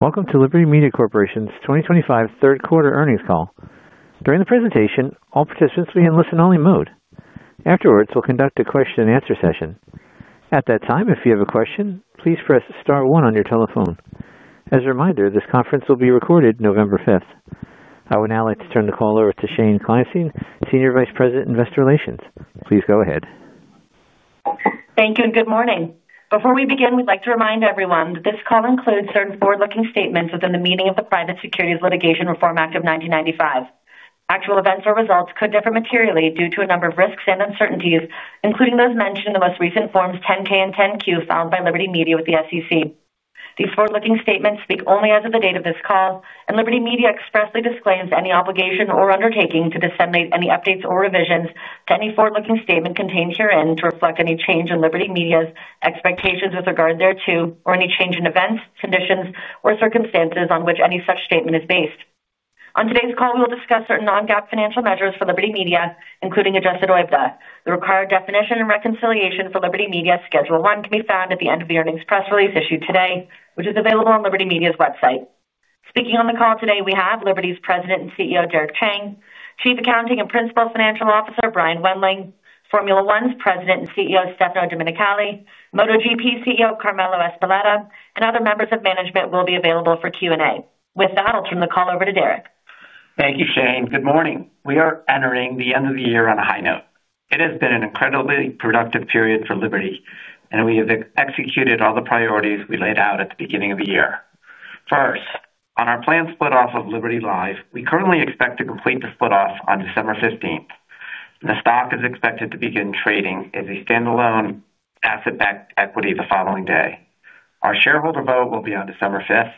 Welcome to Liberty Media Corporation's 2025 third quarter earnings call. During the presentation, all participants will be in listen only mode. Afterwards, we'll conduct a question and answer session. At that time, if you have a question, please press star one on your telephone. As a reminder, this conference will be recorded November 5th. I would now like to turn the call over to Shane Kleinstein, Senior Vice President, Investor Relations. Please go ahead. Thank you and good morning. Before we begin, we'd like to remind everyone that this call includes certain forward looking statements within the meaning of the Private Securities Litigation Reform Act of 1995. Actual events or results could differ materially due to a number of risks and uncertainties, including those mentioned in the most recent Forms 10-K and 10-Q filed by Liberty Media with the SEC. These forward looking statements speak only as of the date of this call and Liberty Media expressly disclaims any obligation or undertaking to disseminate any updates or revisions to any forward looking statement contained herein to reflect any change in Liberty Media's expectations with regard thereto or any change in events, conditions or circumstances on which any such statement is. Based on today's call, we will discuss certain non-GAAP financial measures for Liberty Media, including adjusted OIBDA. The required definition and reconciliation for Liberty Media Schedule 1 can be found at the end of the earnings press release issued today which is available on Liberty Media's website. Speaking on the call today, we have Liberty's President and CEO Derek Chang, Chief Accounting and Principal Financial Officer Brian Wendling, Formula One's President and CEO Stefano Domenicali, MotoGP CEO Carmelo Ezpeleta, and other members of management will be available for Q&A. With that, I'll turn the call over to Derek. Thank you, Shane. Good morning. We are entering the end of the year on a high note. It has been an incredibly productive period for Liberty and we have executed all the priorities we laid out at the beginning of the year. First, on our planned split off of Liberty Live. We currently expect to complete the split off on December 15th. The stock is expected to begin trading as a standalone asset backed equity the following day. Our shareholder vote will be on December 5th.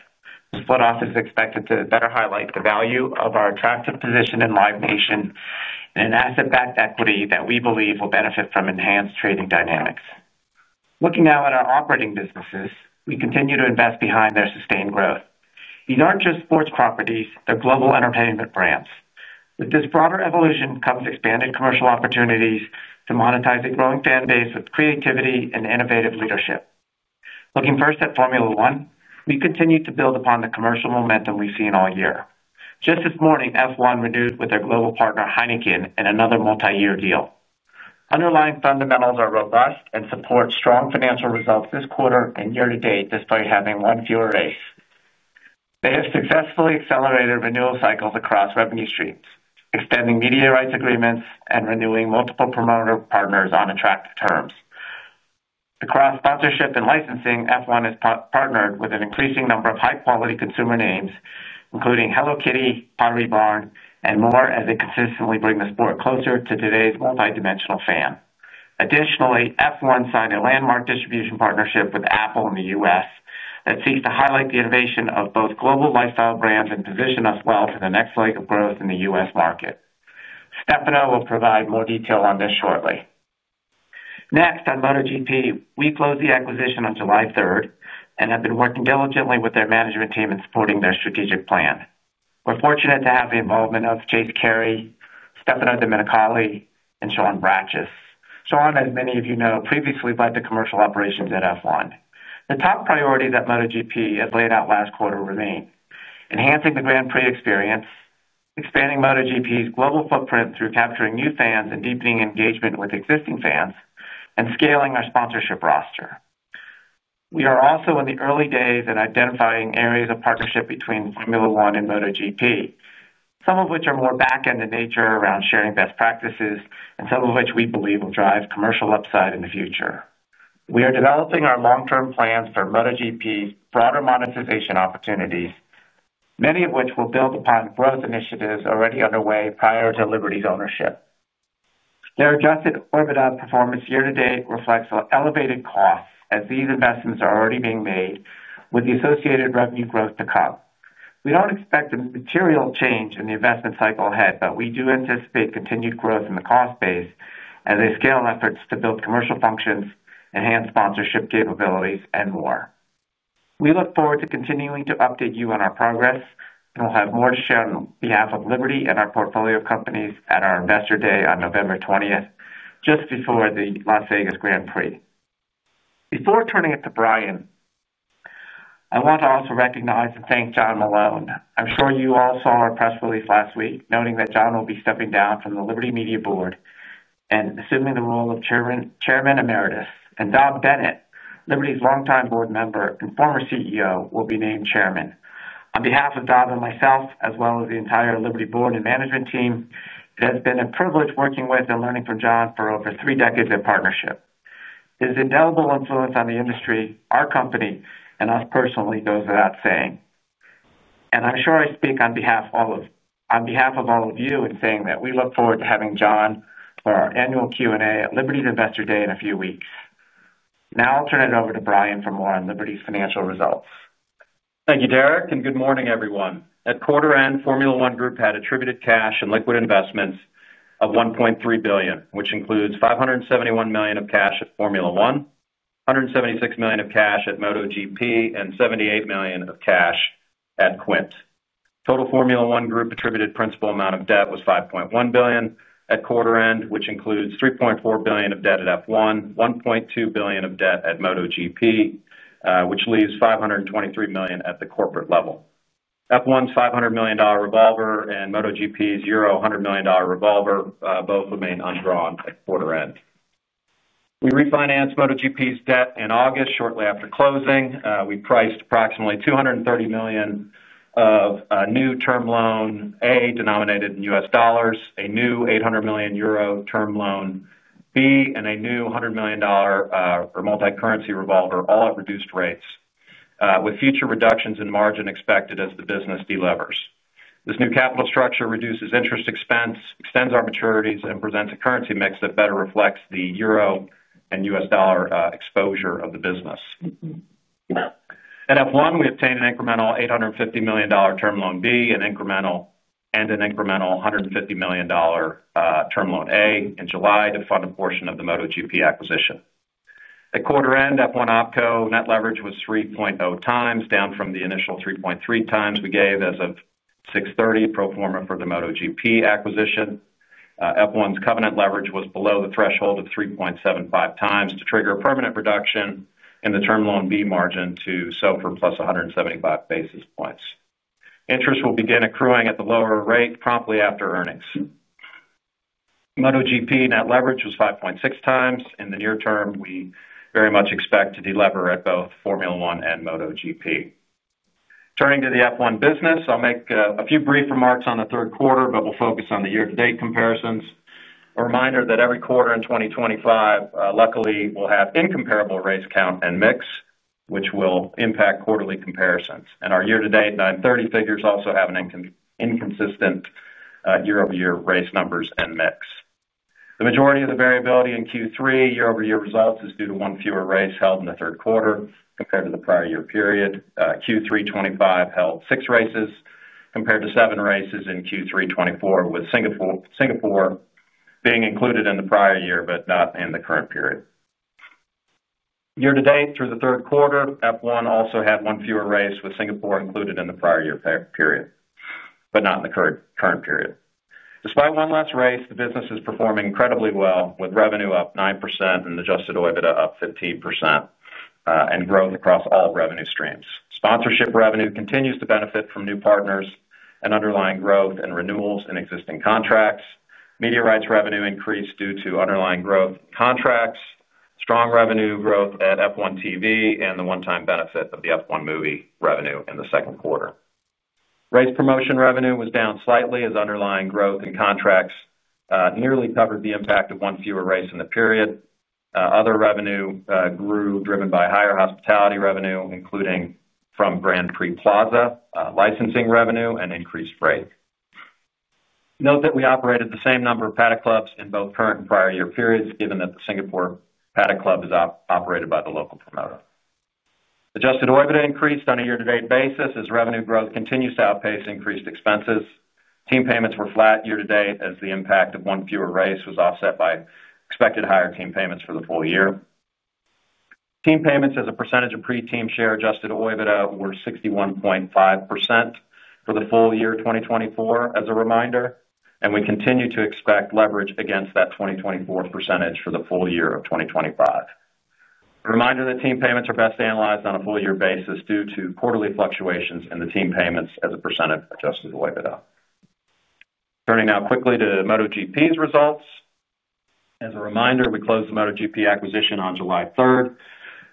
Split office is expected to better highlight the value of our attractive position in Live Nation and an asset backed equity that we believe will benefit from enhanced trading dynamics. Looking now at our operating businesses, we continue to invest behind their sustained growth. These aren't just sports properties, they're global entertainment brands. With this broader evolution comes expanded commercial opportunities to monetize a growing fan base with creativity and innovative leadership. Looking first at Formula One, we continue to build upon the commercial momentum we've seen all year. Just this morning, F1 renewed with their global partner Heineken in another multi-year deal. Underlying fundamentals are robust and support strong financial results this quarter and year to date. Despite having one fewer race, they have successfully accelerated renewal cycles across revenue streams, extending media rights agreements and renewing multiple promoter partners on attractive terms across sponsorship and licensing. F1 has partnered with an increasing number of high quality consumer names including Hello Kitty, Pottery Barn and more as they consistently bring the sport closer to today's multidimensional fan. Additionally, F1 signed a landmark distribution partnership with Apple in the US that seeks to highlight the innovation of both global lifestyle brands and position us well for the next leg of growth in the US market. Stefano will provide more detail on this shortly. Next on MotoGP, we closed the acquisition on July 3rd and have been working diligently with their management team in supporting their strategic plan. We're fortunate to have the involvement of Chase Carey, Stefano Domenicali and Shawn Richards. Shawn, as many of you know, previously led the commercial operations at F1. The top priority that MotoGP had laid out last quarter remains enhancing the grand prix experience, expanding MotoGP's global footprint through capturing new fans and deepening engagement with existing fans and scaling our sponsorship roster. We are also in the early days in identifying areas of partnership between Formula One and MotoGP, some of which are more back end in nature around sharing best practices and some of which we believe will drive commercial upside in the future. We are developing our long term plans for MotoGP, broader monetization opportunities, many of which will build upon growth initiatives already underway prior to Liberty's ownership. Their adjusted OIBDA performance year to date reflects elevated costs as these investments are already being made with the associated revenue growth to come. We do not expect a material change in the investment cycle ahead, but we do anticipate continued growth in the cost base as we scale efforts to build commercial functions, enhance sponsorship capabilities and more. We look forward to continuing to update you on our progress and we will have more to share on behalf of Liberty and our portfolio of companies at our Investor Day on November 20 just before the Las Vegas Grand Prix. Before turning it to Brian, I want to also recognize and thank John Malone. I am sure you all saw our press release last week noting that John will be stepping down from the Liberty Media Board and assuming the role of Chairman Emeritus and Dov Bennett, Liberty's longtime board member and former CEO, will be named Chairman. On behalf of Dov and myself, as well as the entire Liberty Board and management team, it has been a privilege working with and learning from John for over three decades in partnership. His indelible influence on the industry, our company and us personally goes without saying. I am sure I speak on behalf of all of you in saying that we look forward to having John for our annual Q&A at Liberty's Investor Day in a few weeks. Now I will turn it over to Brian for more on Liberty's financial results. Thank you Derek and good morning everyone. At quarter end, Formula One Group had attributed cash and liquid investments of $1.3 billion, which includes $571 million of cash at Formula One, $176 million of cash at MotoGP and $78 million of cash at AT&T Quint. Total Formula One Group attributed principal amount of debt was $5.1 billion at quarter end, which includes $3.4 billion of debt at F1, $1.2 billion of debt at MotoGP, which leaves $523 million at the corporate level. F1's $500 million revolver and MotoGP's euro 100 million revolver both remain undrawn at quarter end. We refinanced MotoGP's debt in August, shortly after closing, we priced approximately $230 million of a new term loan A denominated in US dollars, a new 800 million euro term loan B and a new $100 million or multi currency revolver, all at reduced rates with future reductions in margin expected as the business delevers. This new capital structure reduces interest expense, extends our maturities and presents a currency mix that better reflects the euro and US dollar exposure of the business. At F1 we obtained an incremental $850 million term loan B, an incremental and an incremental $150 million term loan A in July to fund a portion of the MotoGP acquisition. At quarter end, F1 OpCo net leverage was 3.0x, down from the initial 3.3x we gave as of 6:30 pro forma for the MotoGP acquisition. F1's covenant leverage was below the threshold of 3.75x to trigger a permanent reduction and the term loan B margin to SOFR plus 175 basis points. Interest will begin accruing at the lower rate promptly after earnings. MotoGP net leverage was 5.6x. In the near term, we very much expect to delever at both Formula One and MotoGP. Turning to the F1 business, I'll make a few brief remarks on the third quarter, but we'll focus on the year to date comparisons, a reminder that every quarter in 2025. Luckily we'll have incomparable race count and mix which will impact quarterly comparisons and our year to date. 930 figures also have an inconsistent year-over-year race numbers and mix. The majority of the variability in Q3 year- over-year results is due to one fewer race held in the third quarter compared to the prior year period. Q3 2025 held six races compared to seven races in Q3 2024, with Singapore being included in the prior year but not in the current period. Year to date through the third quarter, F1 also had one fewer race with Singapore included in the prior year period but not in the current period. Despite one less race, the business is performing incredibly well with revenue up 9% and adjusted OIBDA up 15% and growth across all revenue streams. Sponsorship revenue continues to benefit from new partners and underlying growth and renewals in existing contracts. Media rights revenue increased due to underlying growth contracts, strong revenue growth at F1TV, and the one-time benefit of the F1 movie revenue in the second quarter. Race Promotion revenue was down slightly as underlying growth in contracts nearly covered the impact of one fewer race in the period. Other revenue grew, driven by higher hospitality revenue including from Grand Prix Plaza, licensing revenue, and increased freight. Note that we operated the same number of Paddock Clubs in both current and prior year periods, given that the Singapore Paddock Club is operated by the local promoter. Adjusted OIBDA increased on a year-to-date basis as revenue growth continues to outpace increased expenses. Team payments were flat year to date as the impact of one fewer race was offset by expected higher team payments for the full year. Team payments as a percentage of pre team share adjusted OIBDA were 61.5% for the full year 2024 as a reminder and we continue to expect leverage against that 2024 percentage for the full year of 2025. A reminder that team payments are best analyzed on a full year basis due to quarterly fluctuations in the team payments as a percent of adjusted OIBDA. Turning now quickly to MotoGP's results as a reminder, we closed the MotoGP acquisition on July 3rd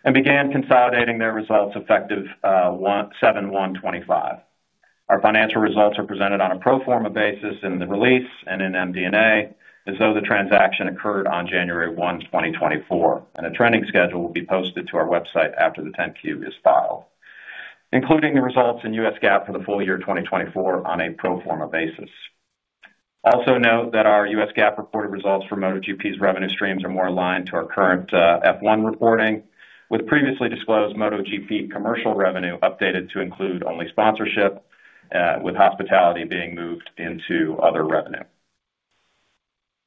and began consolidating their results effective 7/1/2025. Our financial results are presented on a pro forma basis in the release and in MDA as though the transaction occurred on January 1, 2024 and a training schedule will be posted to our website after the 10-Q is filed, including the results in US GAAP for the full year 2024 on a pro forma basis. Also note that our US GAAP reported results for MotoGP's revenue streams are more aligned to our current F1 reporting with previously disclosed MotoGP commercial revenue updated to include only sponsorship with hospitality being moved into other revenue.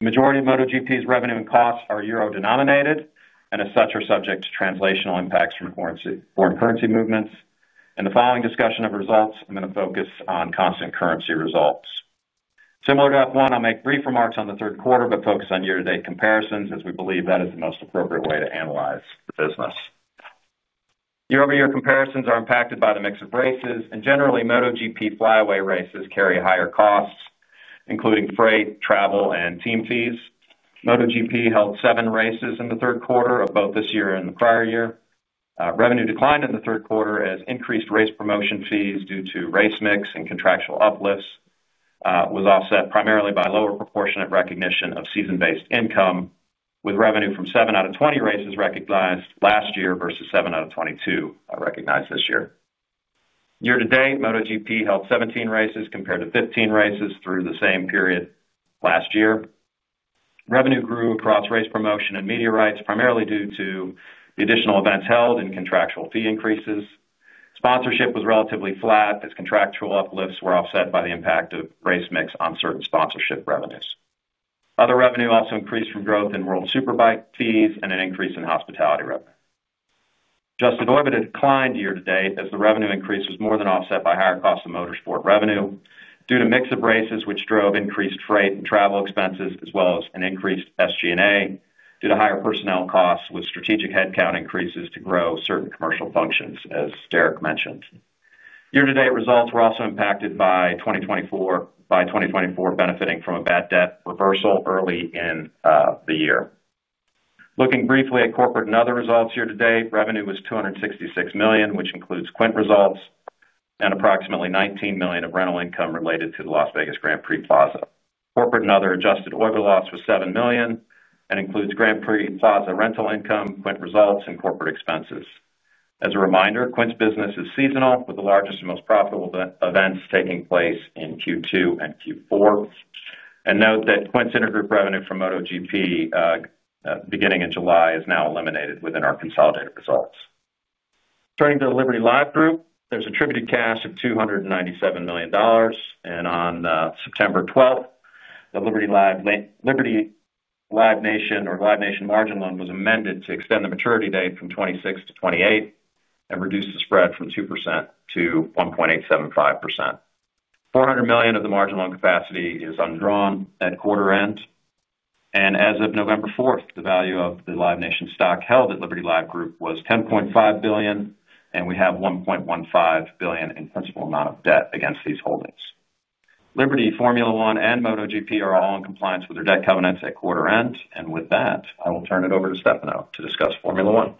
Majority of MotoGP's revenue and costs are euro denominated and as such are subject to translational impacts from foreign currency movements. In the following discussion of results, I'm going to focus on constant currency results similar to F1. I'll make brief remarks on the third quarter but focus on year to date comparisons as we believe that is the most appropriate way to analyze the business. Year-over-year comparisons are impacted by the mix of races and generally MotoGP flyaway races carry higher costs including freight, travel and team fees. MotoGP held seven races in the third quarter of both this year and the prior year. Revenue declined in the third quarter as increased race promotion fees due to race mix and contractual uplifts was offset primarily by lower proportionate recognition of season based income with revenue from 7 out of 20 races recognized last year versus 7 out of 22 recognized this year. Year to date MotoGP held 17 races compared to 15 races through the same period last year. Revenue grew across race promotion and media rights primarily due to the additional events held and contractual fee increases. Sponsorship was relatively flat as contractual uplifts were offset by the impact of race mix on certain sponsorship revenues. Other revenue also increased from growth in World Superbike fees and an increase in hospitality revenue. Adjusted OIBDA declined year to date as the revenue increase was more than offset by higher cost of motorsport revenue due to mix of races which drove increased freight and travel expenses as well as an increased SG&A due to higher personnel costs with strategic headcount increases to grow certain commercial functions. As Derek mentioned, year to date results were also impacted by 2024 benefiting from a bad debt reversal early in the year. Looking briefly at corporate and other results, year to date revenue was $266 million which includes Quint results and approximately $19 million of rental income related to the Las Vegas Grand Prix Plaza. Corporate and other adjusted OIBDA loss was $7 million and includes Grand Prix Plaza rental income, Quint results, and corporate expenses. As a reminder, Quint's business is seasonal with the largest and most profitable events taking place in Q2 and Q4. Note that Quint's intergroup revenue from MotoGP beginning in July is now eliminated within our consolidated results. Turning to the Liberty Live Group, there is attributed cash of $297 million and on September 12 the Liberty Live, Liberty Live Nation or Live Nation margin loan was amended to extend the maturity date from 2026 to 2028 and reduce the spread from 2%-1.875%. $400 million of the marginal owned capacity is undrawn at quarter end and as of November 4th, the value of the Live Nation stock held at Liberty Live Group was $10.5 billion and we have $1.15 billion in principal amount of debt against these holdings. Liberty, Formula One and MotoGP are all in compliance with their debt covenants at quarter end and with that I will turn it over to Stefano to discuss Formula One.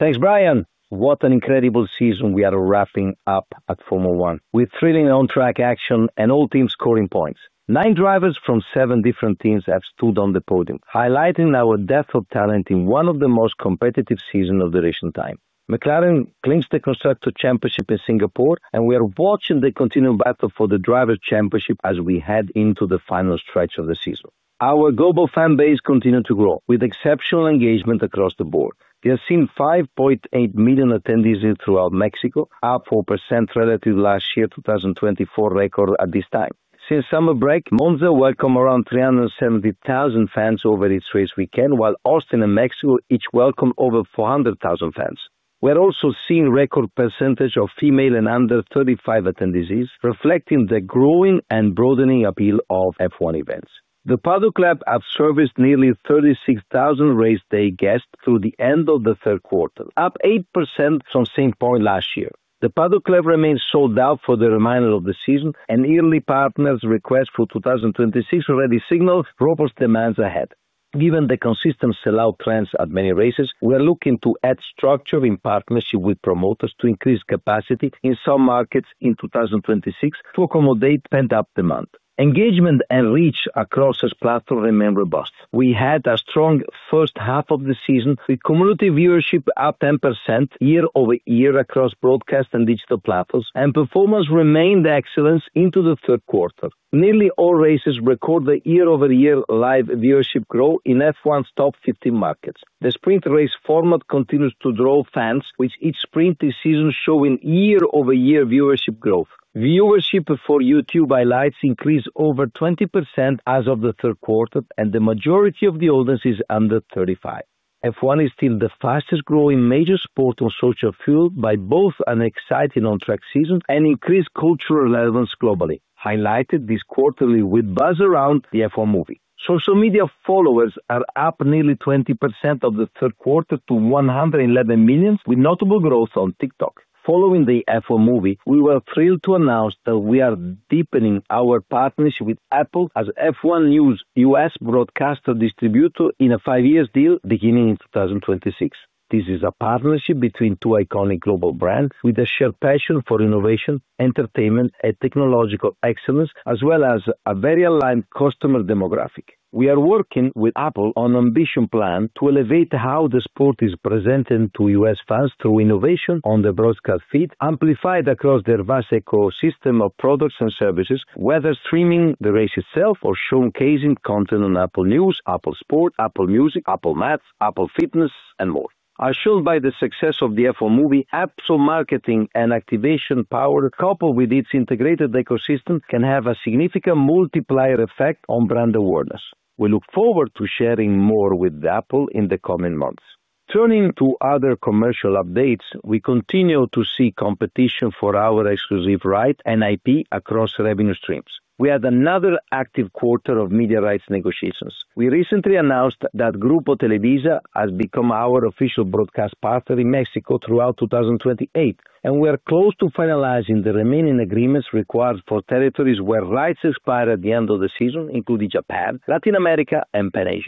Thanks Brian. What an incredible season we are wrapping up at Formula One with thrilling on track action and all teams scoring points. Nine drivers from seven different teams have stood on the podium, highlighting our depth of talent in one of the most competitive seasons of the recent time. McLaren clings the constructor Championship in Singapore, and we are watching the continuing battle for the Drivers Championship as we head into the final stretch of the season. Our global fan base continues to grow with exceptional engagement across the board. We have seen 5.8 million attendees throughout Mexico, up 4% relative last year 2024 record at this time since summer break. Monza welcomed around 370,000 fans over its race weekend, while Austin and Mexico each welcomed over 400,000 fans. We are also seeing record percentage of female and under 35 attendees reflecting the growing and broadening appeal of F1 events. The Paddock Club have serviced nearly 36,000 race day guests through the end of the third quarter, up 8% from same point last year. The Paddock Club remains sold out for the remainder of the season and yearly partners request for 2026 already signal robust demands ahead. Given the consistent sellout trends at many races, we are looking to add structure in partnership with promoters to increase capacity in some markets in 2026 to accommodate pent up demand. Engagement and reach across this platform remain robust. We had a strong first half of the season with community viewership up 10% year-over-year across broadcast digital platforms and performance remained excellent into the third quarter. Nearly all races record the year-over-year live viewership growth in F1's top 50 markets. The sprint race format continues to draw fans, with each sprint this season showing year-over-year viewership growth. Viewership for YouTube highlights increased over 20% as of the third quarter, and the majority of the audience is under 35. F1 is still the fastest growing major sport on social, fueled by both an exciting on-track season and increased cultural relevance globally, highlighted this quarter with buzz around the F1 movie. Social media followers are up nearly 20% as of the third quarter to 111 million, with notable growth on TikTok following the F1 movie. We were thrilled to announce that we are deepening our partnership with Apple as F1's new US broadcaster and distributor in a five-year deal beginning in 2026. This is a partnership between two iconic global brands with a shared passion for innovation, entertainment and technological excellence as well as a very aligned customer demographic. We are working with Apple on an ambition plan to elevate how the sport is presented to US fans through innovation on the broadcast feed, amplified across their vast ecosystem of products and services. Whether streaming the race itself or showcasing content on Apple News, Apple Sport, Apple Music, Apple Math, Apple Fitness and more, as shown by the success of the F1 Movie app, Apple's marketing and activation power coupled with its integrated ecosystem can have a significant multiplier effect on brand awareness. We look forward to sharing more with Apple in the coming months. Turning to other commercial updates, we continue to see competition for our exclusive rights and IP across revenue streams. We had another active quarter of media rights negotiations. We recently announced that Grupo Televisa has become our official broadcast partner in Mexico throughout 2028 and we are close to finalizing the remaining agreements required for territories where rights expire at the end of the season, including Japan, Latin America and Peru.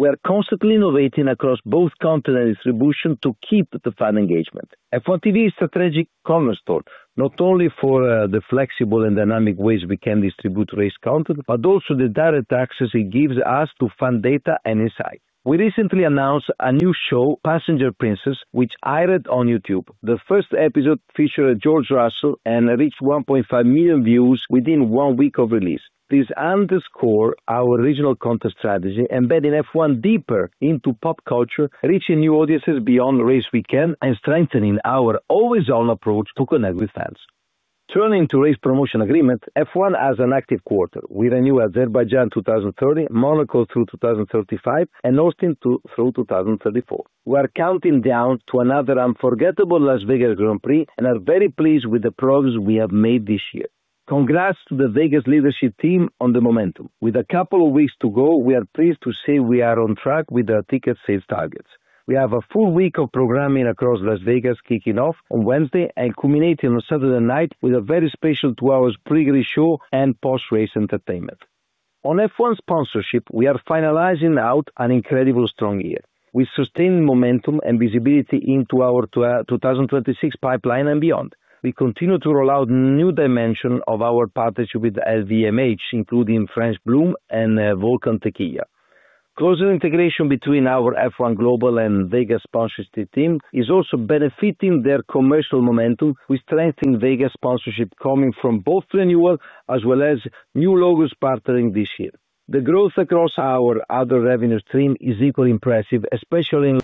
We are constantly innovating across both companies and distribution to keep the fan engagement. F1TV is a strategic commerce tool not only for the flexible and dynamic ways we can distribute race content, but also the direct access it gives us to fan data and insight. We recently announced a new show Passenger Princess, which I read on YouTube. The first episode featured George Russell and reached 1.5 million views within one week of release. Please underscore our regional content strategy, embedding F1 deeper into pop culture, reaching new audiences beyond race weekend and strengthening our always on approach to connect with fans. Turning to race promotion agreement, F1 has an active quarter. We renew Azerbaijan through 2030, Monaco through 2035, and Austin through 2034. We are counting down to another unforgettable Las Vegas Grand Prix and are very pleased with the progress we have made this year. Congrats to the Vegas Leadership Team on the momentum. With a couple of weeks to go, we are pleased to say we are on track with our ticket sales targets. We have a full week of programming across Las Vegas kicking off on Wednesday and culminating on Saturday night with a very special two hours pre-Grizz show and post-race entertainment on F1 sponsorship. We are finalizing out an incredibly strong year with sustained momentum and visibility into our 2026 pipeline and beyond. We continue to roll out new dimensions of our partnership with LVMH including French Bloom and Volcan Takia. Closer integration between our F1 Global and Vegas sponsorship team is also benefiting their commercial momentum. We strengthen Vegas sponsorship coming from both renewal as well as new logos partnering this year. The growth across our other revenue stream is equally impressive, especially in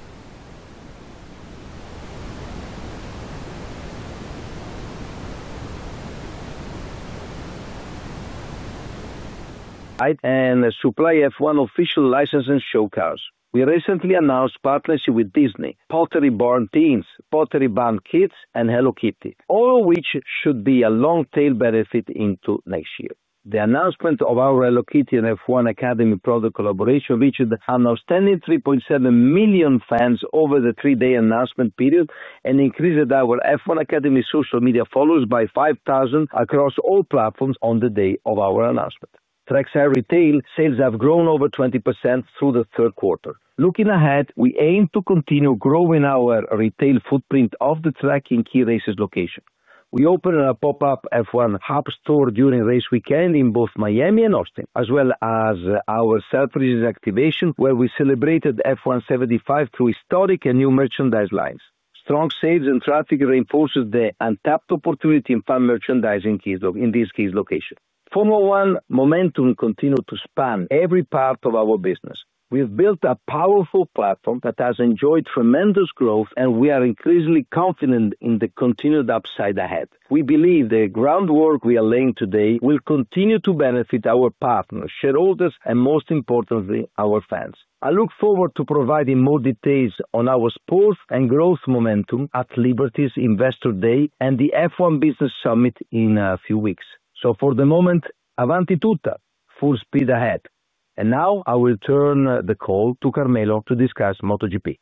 and supply F1 official license and show cars. We recently announced partnership with Disney, Pottery Barn Teens, Pottery Barn Kids and Hello Kitty, all of which should be a long tail benefit into next year. The announcement of our Hello Kitty and F1 Academy product collaboration reached an outstanding 3.7 million fans over the three day announcement period and increased our F1 Academy social media followers by 5,000 across all platforms. On the day of our announcement, Trexair retail sales have grown over 20% through the third quarter. Looking ahead, we aim to continue growing our retail footprint of the track in key races. Location, we opened a pop-up F1 Hub store during race weekend in both Miami and Austin, as well as our self Regenes activation where we celebrated F1 75 through historic and new merchandise lines. Strong sales and traffic reinforces the untapped opportunity in fan merchandise. In this case, location Formula One momentum continues to span every part of our business. We've built a powerful platform that has enjoyed tremendous growth, and we are increasingly confident in the continued upside ahead. We believe the groundwork we are laying today will continue to benefit our partners, shareholders, and most importantly, our fans. I look forward to providing more details on our sports and growth momentum at Liberty's Investor Day and the F1 Business Summit in a few weeks. For the moment, Avanti Tutta. Full speed ahead. I will turn the call to Carmelo to discuss MotoGP.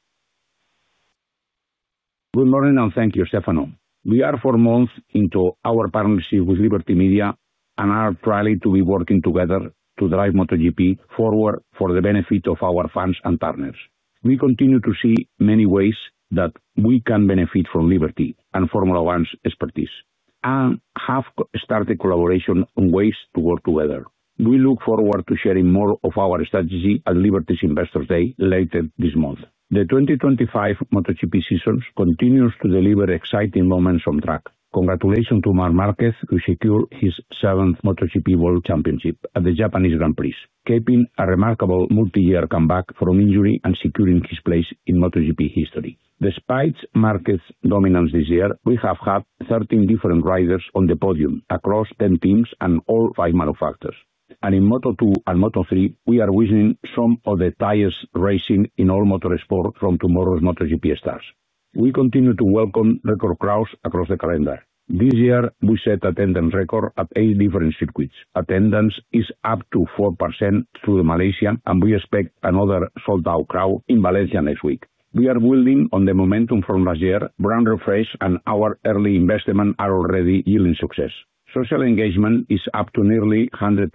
Good morning and thank you, Stefano. We are four months into our partnership. With Liberty Media and are proud to. Be working together to drive MotoGP forward for the benefit of our funds and partners. We continue to see many ways that we can benefit from Liberty and Formula One's expertise and have started collaboration on ways to work together. We look forward to sharing more of our strategy at Liberty's Investors Day later this month. The 2025 MotoGP season continues to deliver exciting moments on track. Congratulations to Marc Márquez who secured his seventh MotoGP World Championship at the Japanese Grand Prix, capping a remarkable multi-year comeback from injury and securing his place in MotoGP history. Despite Márquez's dominance this year we have had 13 different riders on the podium across 10 teams and all five manufacturers and in Moto2 and Moto3 we are witnessing some of the tightest racing in all motorsport from tomorrow's MotoGP stars. We continue to welcome record crowds across the calendar. This year we set attendance record at eight different circuits. Attendance is up 4% through Malaysia and we expect another sold out crowd in Valencia next week. We are building on the momentum from last year. Brand refresh and our early investment are already yielding success. Social engagement is up nearly 120%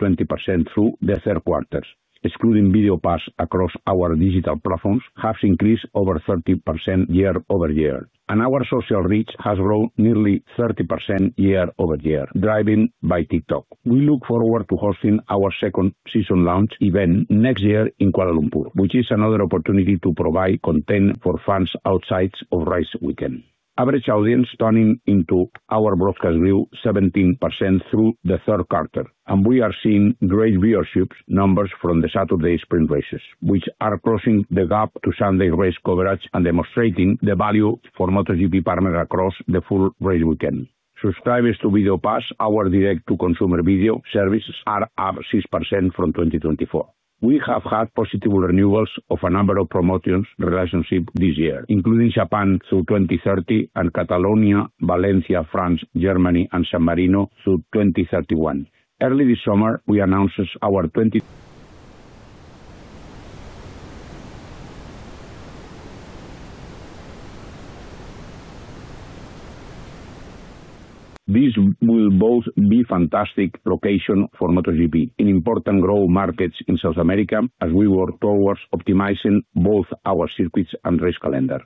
through the third quarter excluding Video Pass. Across our digital platforms, engagement has increased over 30% year-over-year and our social reach has grown nearly 30% year-over-year. Driven by TikTok, we look forward to hosting our second season launch event next year in Kuala Lumpur, which is another opportunity to provide content for fan runs. Outside of race weekend. Average audience turning into our broadcast grew 17% through the third quarter and we are seeing great viewership numbers from the Saturday sprint races which are crossing the gap to Sunday race coverage and demonstrating the value for MotoGP partner across the full race weekend. Subscribers to Video Pass, our direct to consumer video services, are up 6% from 2024. We have had positive renewals of a number of promotions relationships this year including Japan through 2028 and Catalonia, Valencia, France, Germany, and San Marino through 2031. Early this summer we announced our 2026 events. This will both be fantastic locations for MotoGP in important growth markets in South America as we work towards optimizing both our circuits and race calendar.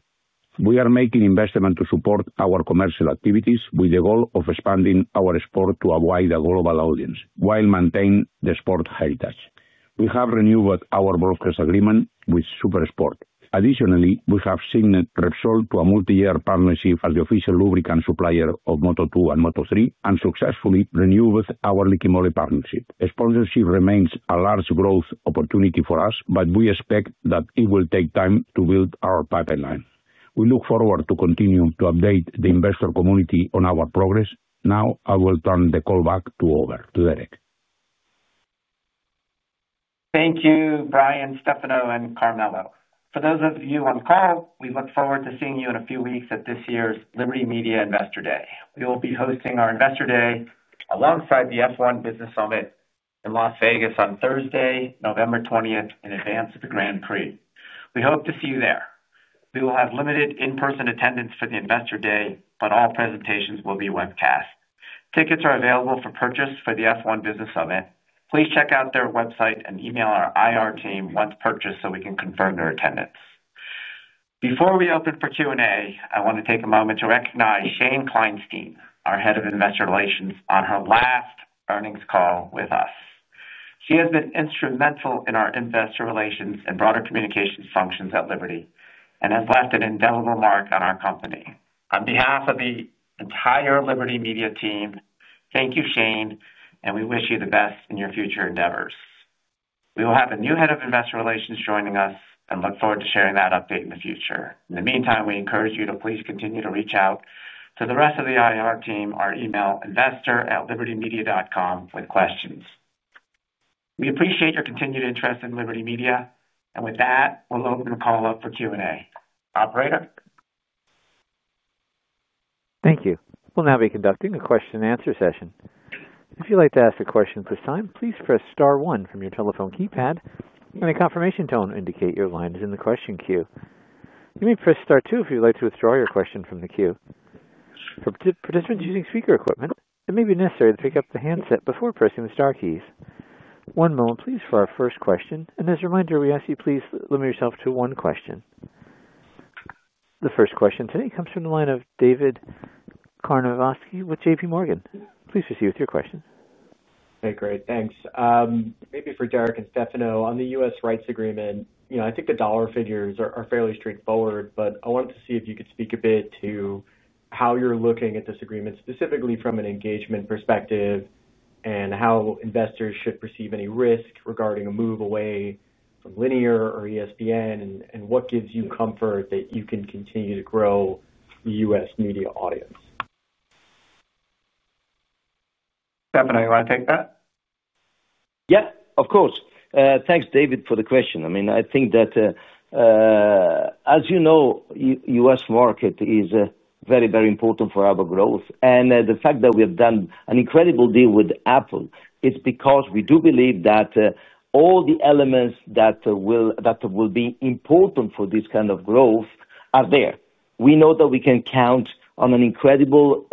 We are making investment to support our. Commercial activities with the goal of expanding our sport to a wider global audience while maintaining the sport heritage. We have renewed our broadcast agreement with Super Sport. Additionally, we have signed Repsol to a multi-year partnership as the official lubricant supplier of Moto2 and Moto3 and successfully renewed our Liqui Moly partnership. Sponsorship remains a large growth opportunity for. Us, but we expect that it will. Take time to build our pipeline. We look forward to continuing to update the investor community on our progress. Now I will turn the call back. To over to Derek. Thank you Brian, Stefano and Carmelo. For those of you on the call, we look forward to seeing you in a few weeks at this year's Liberty Media Investor Day. We will be hosting our Investor Day alongside the F1 Business Summit in Las Vegas on Thursday, November 20th in advance of the Grand Prix. We hope to see you there. We will have limited in person attendance for the Investor Day, but all presentations will be webcast. Tickets are available for purchase for the F1 Business Summit. Please check out their website and email our IR team once purchased so we can confirm their attendance. Before we open for Q&A, I want to take a moment to recognize Shane Kleinstein, our Head of Investor Relations, on her last earnings call with us. She has been instrumental in our investor relations and broader communications functions at Liberty and has left an indelible mark on our company. On behalf of the entire Liberty Media team, thank you, Shane, and we wish you the best in your future endeavors. We will have a new head of investor relations joining us and look forward to sharing that update in the future. In the meantime, we encourage you to please continue to reach out to the rest of the IR team or email investor@libertymedia.com with questions. We appreciate your continued interest in Liberty Media and with that we'll open the call up for Q&A. Operator, thank you. We'll now be conducting a question and answer session. If you'd like to ask a question at this time, please press star one from your telephone keypad and a confirmation tone. Indicate your line is in the question queue. You may press star two if you'd like to withdraw your question from the queue. For participants using speaker equipment, it may be necessary to pick up the handset before pressing the star keys. One moment please. For our first question and as a reminder we ask you, please limit yourself to one question. The first question today comes from the line of David Karnovsky with JP Morgan. Please proceed with your question. Great, thanks. Maybe for Derek and Stefano on the US Rights agreement, I think the dollar figures are fairly straightforward, but I wanted to see if you could speak a bit to how you're looking at this agreement specifically from an engagement perspective and how investors should perceive any risk regarding a move away from linear or ESPN. What gives you comfort that you can continue to grow the US media audience? Stefano, you want to take that? Yeah, of course. Thanks David, for the question. I mean, I think that as you know, US market is very, very important for our growth and the fact that we have done an incredible deal with Apple. It's because we do believe that all the elements that will be important for this kind of growth are there. We know that we can count on an incredible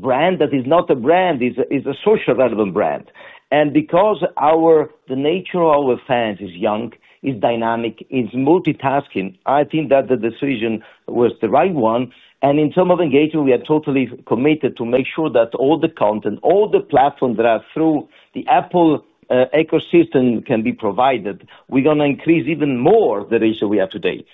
brand that is not a brand, is a socially relevant brand and because our the nature of our fans is young, is dynamic, is multitasking. I think that the decision was the right one. In terms of engagement we are totally committed to make sure that all the content, all the platforms that are through the Apple ecosystem can be provided. We're going to increase even more the ratio we have today.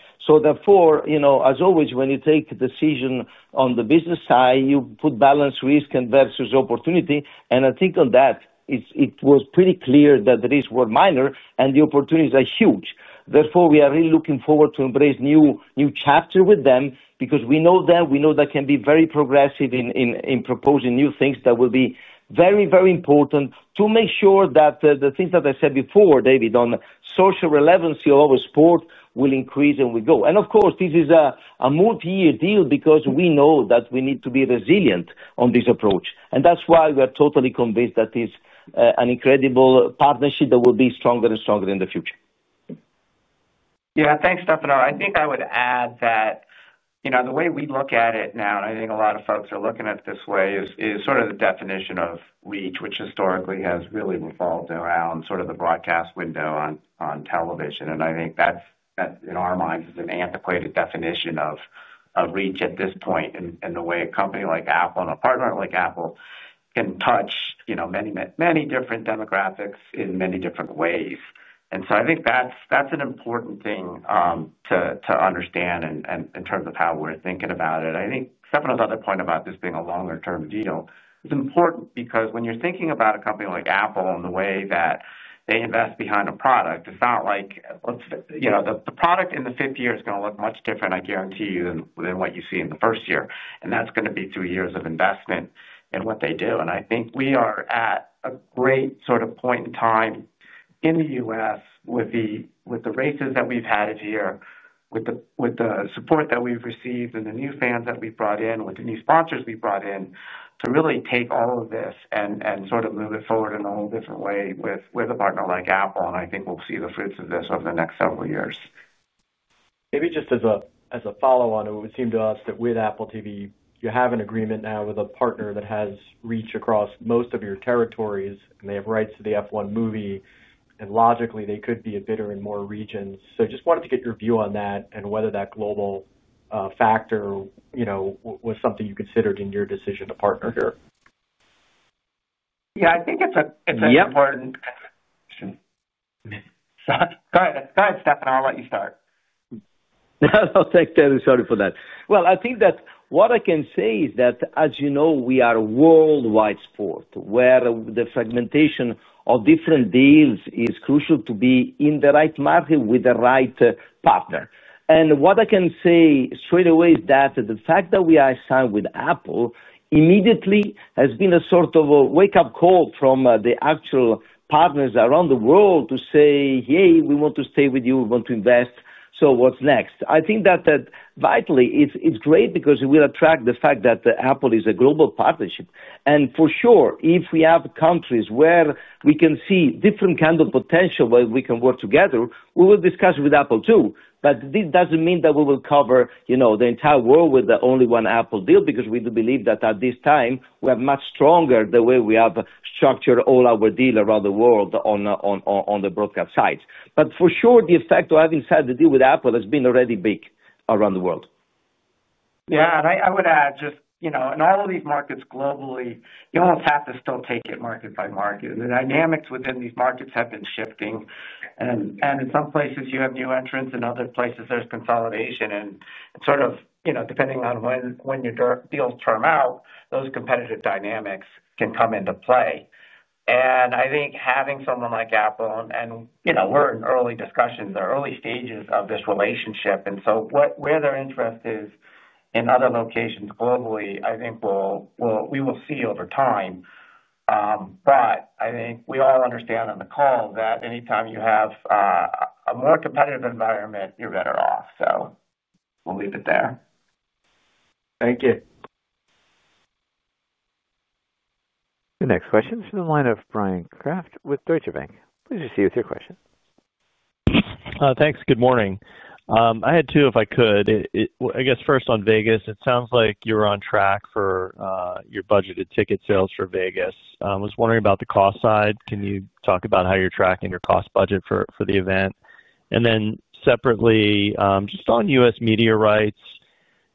Therefore, as always when you take a decision on the business side, you balance risk versus opportunity. I think on that it was pretty clear that this world minor and the opportunities are huge. Therefore, we are really looking forward to embrace a new chapter with them because we know that, we know they can be very progressive in proposing new things that will be very, very important to make sure that the things that I said before, David, on social relevancy of our sport will increase. We go, and of course this is a multi-year deal because we know that we need to be resilient on this approach. That is why we are totally convinced that it is an incredible partnership that will be stronger and stronger in the future. Yeah, thanks Stefano. I think I would add that, you know, the way we look at it now, and I think a lot of folks are looking at it this way, is sort of the definition of reach, which historically has really revolved around sort of the broadcast window on television. I think that in our minds is an antiquated definition of reach at this point. The way a company like Apple and a partner like Apple can touch, you know, many different demographics in many different ways. I think that's an important thing to understand in terms of how we're thinking about it. I think Stefano's other point about this being a longer term deal is important because when you're thinking about a company like Apple and the way that they invest behind a product, it's not like the product in the fifth year is going to look much different, I guarantee you, than what you see in the first year. That's going to be three years of investment in what they do. I think we are at a great sort of point in time in the US with the races that we've had here, with the support that we've received and the new fans that we brought in, with the new sponsors we brought in, to really take all of this and sort of move it forward in a whole different way with a partner like Apple. I think we'll see the fruits of this over the next several years. Maybe just as a follow on. It would seem to us that with Apple TV you have an agreement now with a partner that has reach across most of your territories and they have rights to the F1 movie and logically they could be a bidder in more regions. Just wanted to get your view on that and whether that global factor, you know, was something you considered in your decision to partner here. Yeah, I think it's a. It's an important. Go ahead, Stephan, I'll let you start. Sorry for that. I think that what I can say is that as you know, we are a worldwide sport where the fragmentation of different deals is crucial to be in the right market with the right partner. What I can say straight away is that the fact that we are signed with Apple immediately has been a sort of a wake up call from the actual partners around the world to say, hey, we want to stay with you, we want to invest. What's next? I think that vitally it's great because it will attract the fact that Apple is a global partnership. For sure, if we have countries where we can see different kind of potential, where we can work together, we will discuss with Apple too. This does not mean that we will cover the entire world with only one Apple deal because we do believe that at this time we are much stronger the way we have structured all our deals around the world on the broadcast side. For sure, the effect of having set the deal with Apple has been already big around the world. Yeah, I would add just, you know, in all of these markets globally, you almost have to still take it market by market. The dynamics within these markets have been shifting and in some places you have new entrants, in other places there is consolidation and sort of, you know, depending on when your deals turn out, those competitive dynamics can come into play. I think having someone like Apple and, you know, we are in early discussions or early stages of this relationship and so where their interest is in other locations globally, I think we will see over time. I think we all understand on the call that anytime you have a more competitive environment, you are better off. We will leave it there. Thank you. The next question is from the line of Brian Kraft with Deutsche Bank. Please proceed with your question. Thanks. Good morning. I had two, if I could, I guess first on Vegas, it sounds like you're on track for your budgeted ticket sales for Vegas. I was wondering about the cost side. Can you talk about how you're tracking your cost budget for the event and then separately just on U.S. media rights?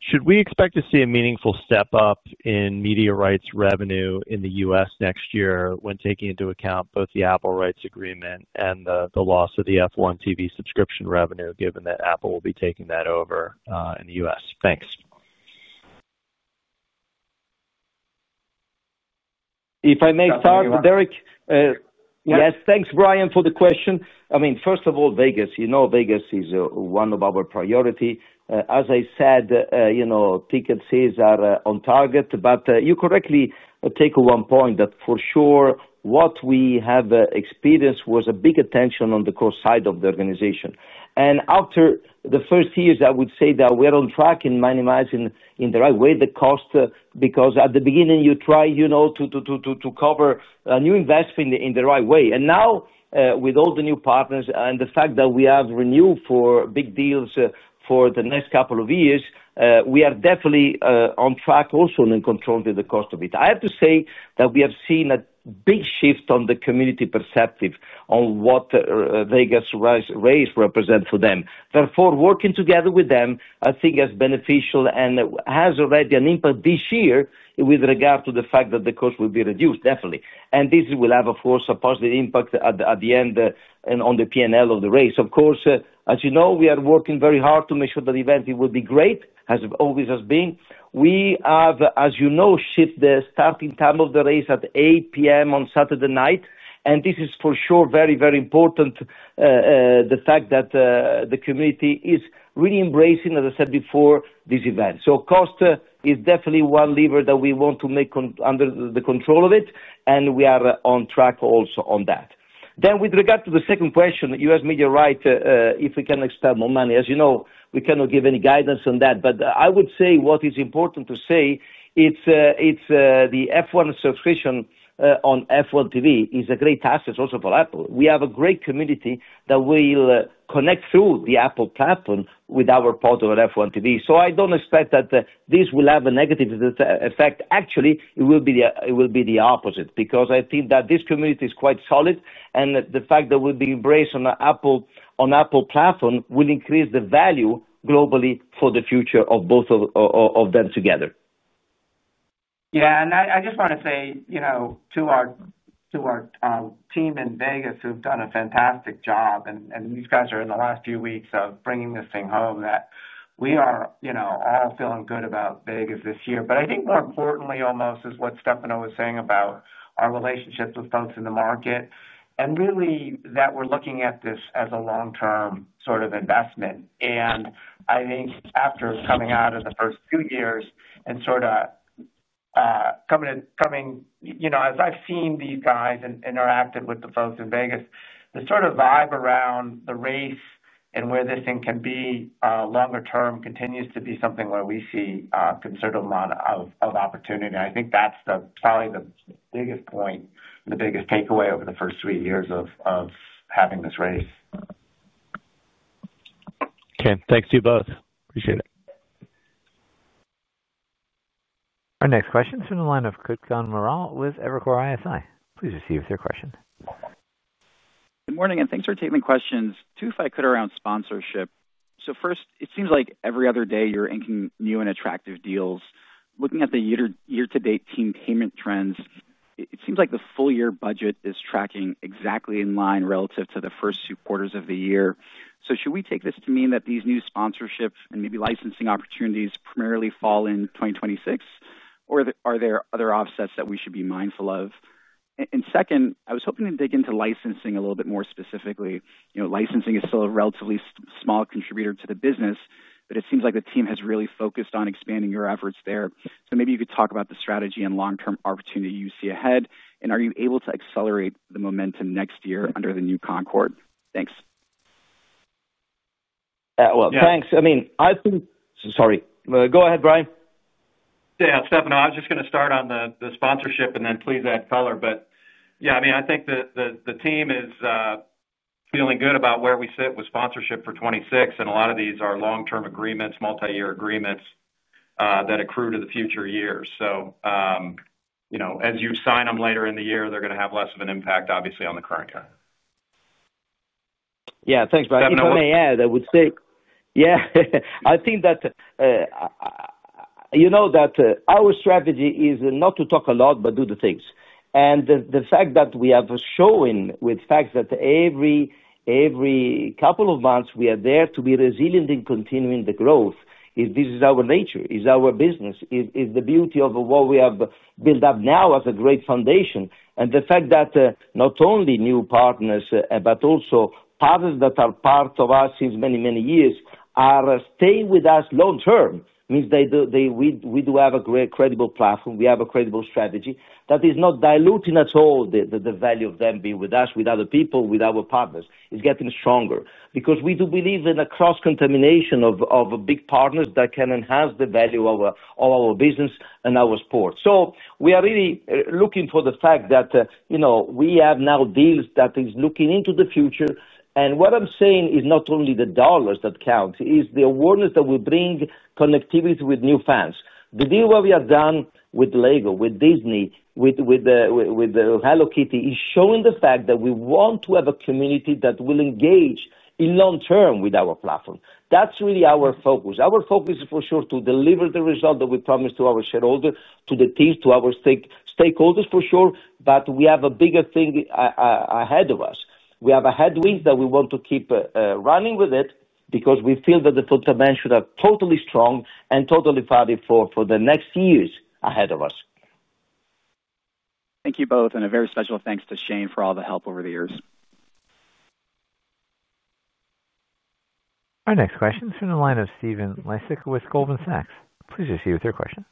Should we expect to see a meaningful step up in media rights revenue in the U.S. next year when taking into account both the Apple rights agreement and the loss of the F1TV subscription revenue given that Apple will be taking that over in the U.S.? Thanks. If I may start Derek. Yes, thanks Brian for the question. I mean first of all Vegas, you know Vegas is one of our priority. As I said, ticket sales are on target. You correctly take one point that for sure what we have experienced was a big attention on the cost side of the organization. After the first years I would say that we're on track in minimizing in the right way the cost because at the beginning you try to cover new investment in the right way and now with all the new partners and the fact that we have renew for big deals for the next couple of years we are definitely on track also in control to the cost of it. I have to say that we have seen a big shift on the community perceptive on what Vegas race represent for them. Therefore working together with them I think is beneficial and has already an impact this year with regard to the fact that the cost will be reduced definitely. This will have of course a positive impact at the end on the P and L of the race. Of course, as you know we are working very hard to make sure that event will be great as it always has been. We have, as you know, shifted the starting time of the race to 8:00 P.M. on Saturday night. This is for sure very, very important, the fact that the community is really embracing, as I said before, this event. Cost is definitely one lever that we want to make under the control of it and we are on track also on that. With regard to the second question, U.S. media, right. If we can expel more money, as you know, we cannot give any guidance on that. I would say what is important to say is the F1 subscription on F1TV is a great asset also for Apple. We have a great community that will connect through the Apple platform with our portal on F1TV. I do not expect that this will have a negative effect. Actually, it will be the opposite because I think that this community is quite solid and the fact that we will be embraced on the Apple platform will increase the value globally for the future of both of them together. Yeah. I just want to say to our team in Vegas who've done a fantastic job and these guys are in the last few weeks of bringing this thing home that we are all feeling good about Vegas this year. I think more importantly almost is what Stefano was saying about our relationships with folks in the market and really that we're looking at this as a long term sort of investment. I think after coming out of the first few years and sort of coming, you know, as I've seen these guys and interacted with the folks in Vegas, the sort of vibe around the race and where this thing can be longer term continues to be something where we see a considerable amount of opportunity. I think that's probably the biggest point, the biggest takeaway over the first three years of having this race. Okay., thanks to you both. Appreciate it. Our next question is from the line of Kutkan Moral with Evercore ISI. Please receive your question. Good morning and thanks for taking the questions. Two if I could around sponsorship. First, it seems like every other day you're inking new and attractive deals. Looking at the year to date team payment trends, it seems like the full year budget is tracking exactly in line relative to the first two quarters of the year. Should we take this to mean that these new sponsorship and maybe licensing opportunities primarily fall in 2026 or are there other offsets that we should be mindful of? Second, I was hoping to dig into licensing a little bit more specifically. You know, licensing is still a relatively small contributor to the business, but it seems like the team has really focused on expanding your efforts there. Maybe you could talk about the strategy and long term opportunity you see ahead and are you able to accelerate the momentum next year under the new Concorde? Thanks. Thanks. I mean, I think. Sorry, go ahead, Brian. Yeah, Stefano. I was just going to start on the sponsorship and then please add color. Yeah, I mean, I think the team is feeling good about where we sit with sponsorship for 2026. A lot of these are long term agreements, multi year agreements that accrue to the future years. You know, as you sign them later in the year, they're going to have less of an impact obviously on the current. Yeah, thanks, Brian.I would say, yeah, I think that, you know, that our strategy is not to talk a lot, but do the things. The fact that we have shown with facts that every couple of months we are there to be resilient in continuing the growth. This is our nature, is our business. It's the beauty of what we have built up now as a great foundation and the fact that not only new partners, but also partners that are part of us since many, many years stay with us long term means we do have a credible platform, we have a credible strategy that is not diluting at all. The value of them being with us, with other people, with our partners is getting stronger because we do believe in a cross contamination of big partners that can enhance the value of our business and our sport. We are really looking for the fact that we have now deals that is looking into the future. What I'm saying is not only the dollars that count, it is the awareness that will bring connectivity with new fans. The deal what we have done with LEGO, with Disney, with Hello Kitty is showing the fact that we want to have a community that will engage in long term with our platform. That's really our focus. Our focus is for sure to deliver the result that we promised to our shareholders, to the teams, to our stakeholders for sure. We have a bigger thing ahead of us. We have a headwind that we want to keep running with it because we feel that the fundamentals are totally strong and totally valid for the next years ahead of us. Thank you both and a very special thanks to Shane for all the help over the years. Our next question is from the line of Stephen Lysik with Goldman Sachs. Please proceed with your question.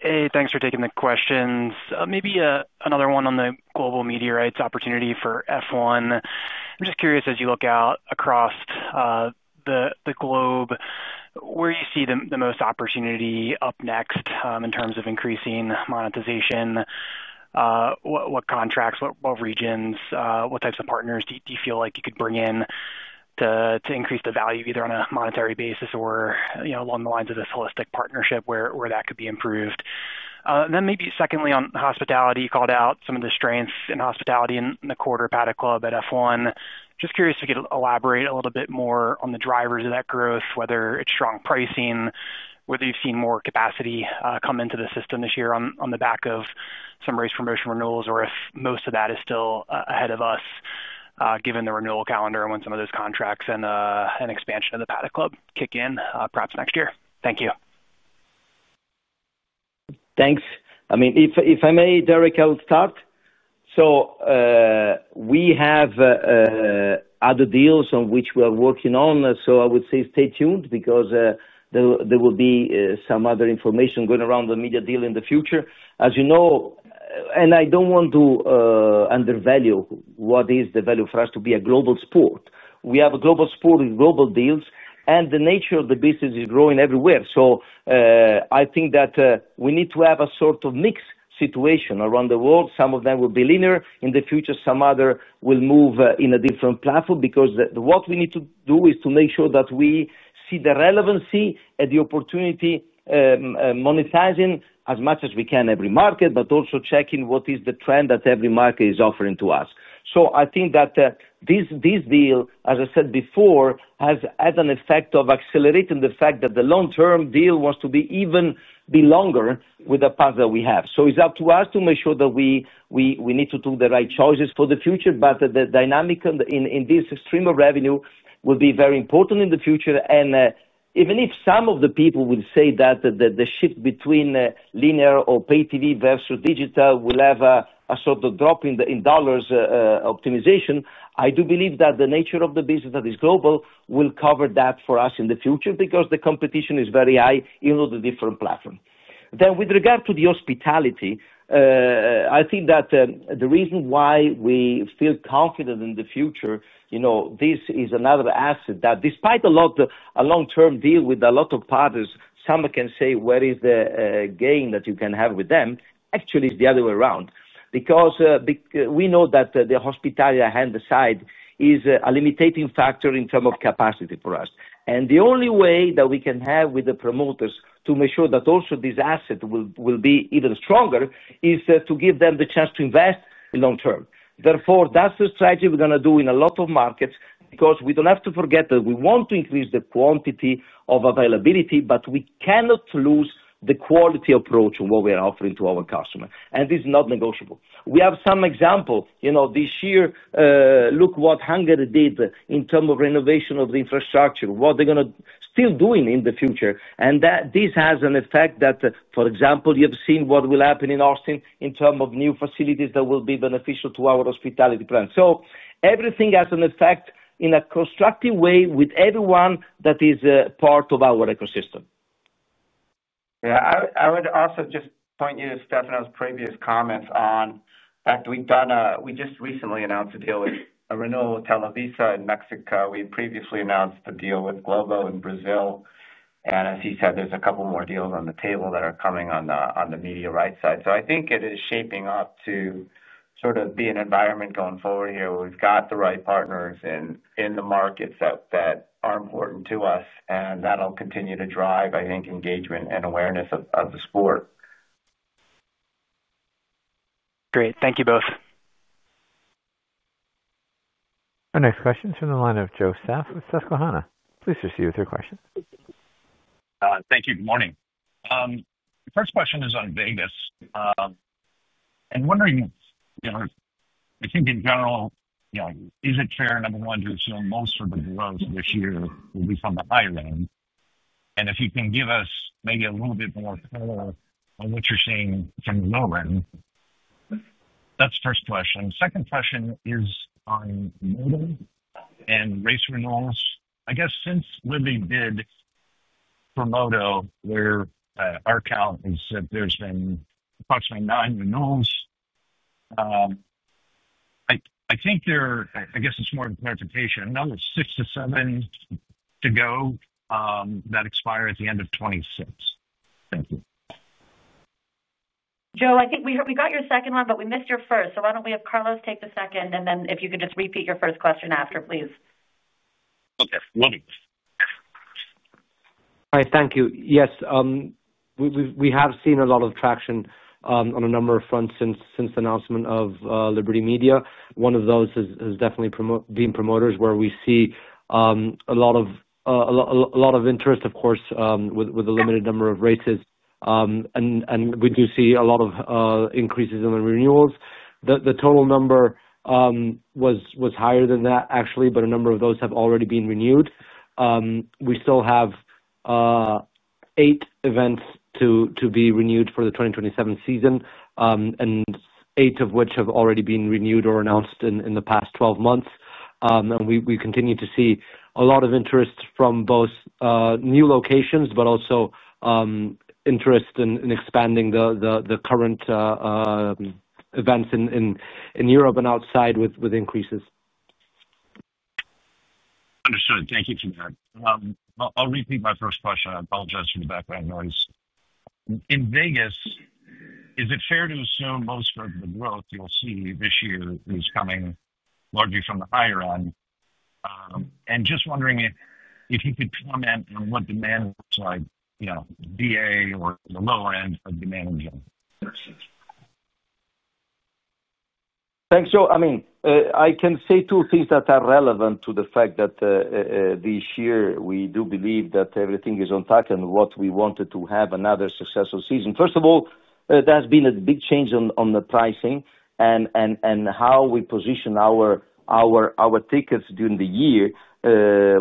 Hey, thanks for taking the questions. Maybe another one on the global media rights opportunity for F1. I'm just curious as you look out across the globe where you see the most opportunity up next in terms of increasing monetization, what contracts, what regions, what types of partners do you feel like you could bring in to increase the value either on a monetary basis or along the lines of this holistic partnership where that could be improved. Maybe secondly on hospitality, you called out some of the strengths in hospitality in the quarter, Paddock Club at F1. Just curious if you could elaborate a little bit more on the drivers of that growth. Whether it's strong pricing, whether you've seen more capacity come into the system this year on the back of some race promotion renewals or if most of that is still ahead of us given the renewal calendar and when some of those contracts and an expansion of the Paddock Club kick in perhaps next year. Thank you. Thanks. I mean if I may, Derek, I'll start. We have other deals on which we are working on. I would say stay tuned because there will be some other information going around the media deal in the future, as you know and I don't want to undervalue what is the value for us to be a global sport. We have a global sport with global deals and the nature of the business is growing everywhere. I think that we need to have a sort of mixed situation around the world. Some of them will be leaner in the future, some other will move in a different platform because what we need to do is to make sure that we see the relevancy and the opportunity monetizing as much as we can every market, but also checking what is the trend that every market is offering to us. I think that this deal, as I said before, has had an effect of accelerating the fact that the long term deal wants to even be longer and with the path that we have. It is up to us to make sure that we need to do the right choices for the future. The dynamic in this extreme of revenue will be very important in the future. Even if some of the people will say that the shift between linear or pay TV versus digital will have a sort of drop in dollars optimization, I do believe that the nature of the business that is global will cover that for us in the future because the competition is very high into the different platform. With regard to the hospitality, I think that the reason why we feel confident in the future, you know, this is another asset that despite a long term deal with a lot of partners, some can say where is the gain that you can have with them? Actually, it is the other way around because we know that the hospitality handicide is a limiting factor in terms of capacity for us. The only way that we can have with the promoters to make sure that also this asset will be even stronger is to give them the chance to invest long term. Therefore, that's the strategy we're going to do in a lot of markets because we don't have to forget that we want to increase the quantity of availability. We cannot lose the quality approach of what we are offering to our customer. This is not negotiable. We have some example this year, look what Hungary did in terms of renovation of the infrastructure, what they're going to still doing in the future. This has an effect that for example, you've seen what will happen in Austin in terms of new facilities that will be beneficial to our hospitality plan. Everything has an effect in a constructive way with everyone that is part of our ecosystem. Yeah. I would also just point you to Stefano's previous comments on, in fact, we just recently announced a deal with a renewal with Televisa in Mexico. We previously announced a deal with Globo in Brazil, and as he said, there's a couple more deals on the table that are coming on the media rights side. I think it is shaping up to sort of be an environment going forward here where we've got the right partners in the markets that are important to us and that will continue to drive, I think, engagement and awareness of the sport. Great. Thank you both. Our next question is from the line of Joe Stauff with Susquehanna. Please proceed with your question. Thank you. Good morning. First question is on Vegas and wondering, I think in general, is it fair, number one, to assume most of the growth this year will be from the high range and if you can give us maybe a little bit more color on what you're seeing from low ren. That's the first question. Second question is on Moto and race renewals. I guess since Liberty did promote Moto where our count is, there's been approximately nine renewals. I think there are. I guess it's more of a clarification now it's six to seven to go that expire at the end of 2026. Thank you, Joe. I think we got your second one, but we missed your first. So why don't we have Carlos take the second and then if you could just repeat your first question after, please. Okay, lovely. Hi. Thank you. Yes, we have seen a lot of. Traction on a number of fronts since. The announcement of Liberty Media. One of those has definitely been promoters. Where we see. A lot of interest. Of course, with a limited number of races and we do see a lot. Of increases in the renewals. The total number was higher than that actually, but a number of those have already been renewed. We still have eight events to be renewed for the 2027 season, and eight of which have already been renewed. Announced in the past 12 months. We continue to see a lot of interest from both new locations, but also interest in expanding the current events in Europe and outside with increases. Understood. Thank you for that. I'll repeat my first question. I apologize for the background noise in Vegas. Is it fair to assume most of the growth you'll see this year is coming largely from the higher end? And just wondering if you could comment on what demand looks like, you know, via or the lower end of demand. Thanks, Joe. I mean, I can say two things that are relevant to the fact that this year we do believe that everything is on track and what we wanted to have another successful season. First of all, there's been a big change on the pricing and how we position our tickets during the year.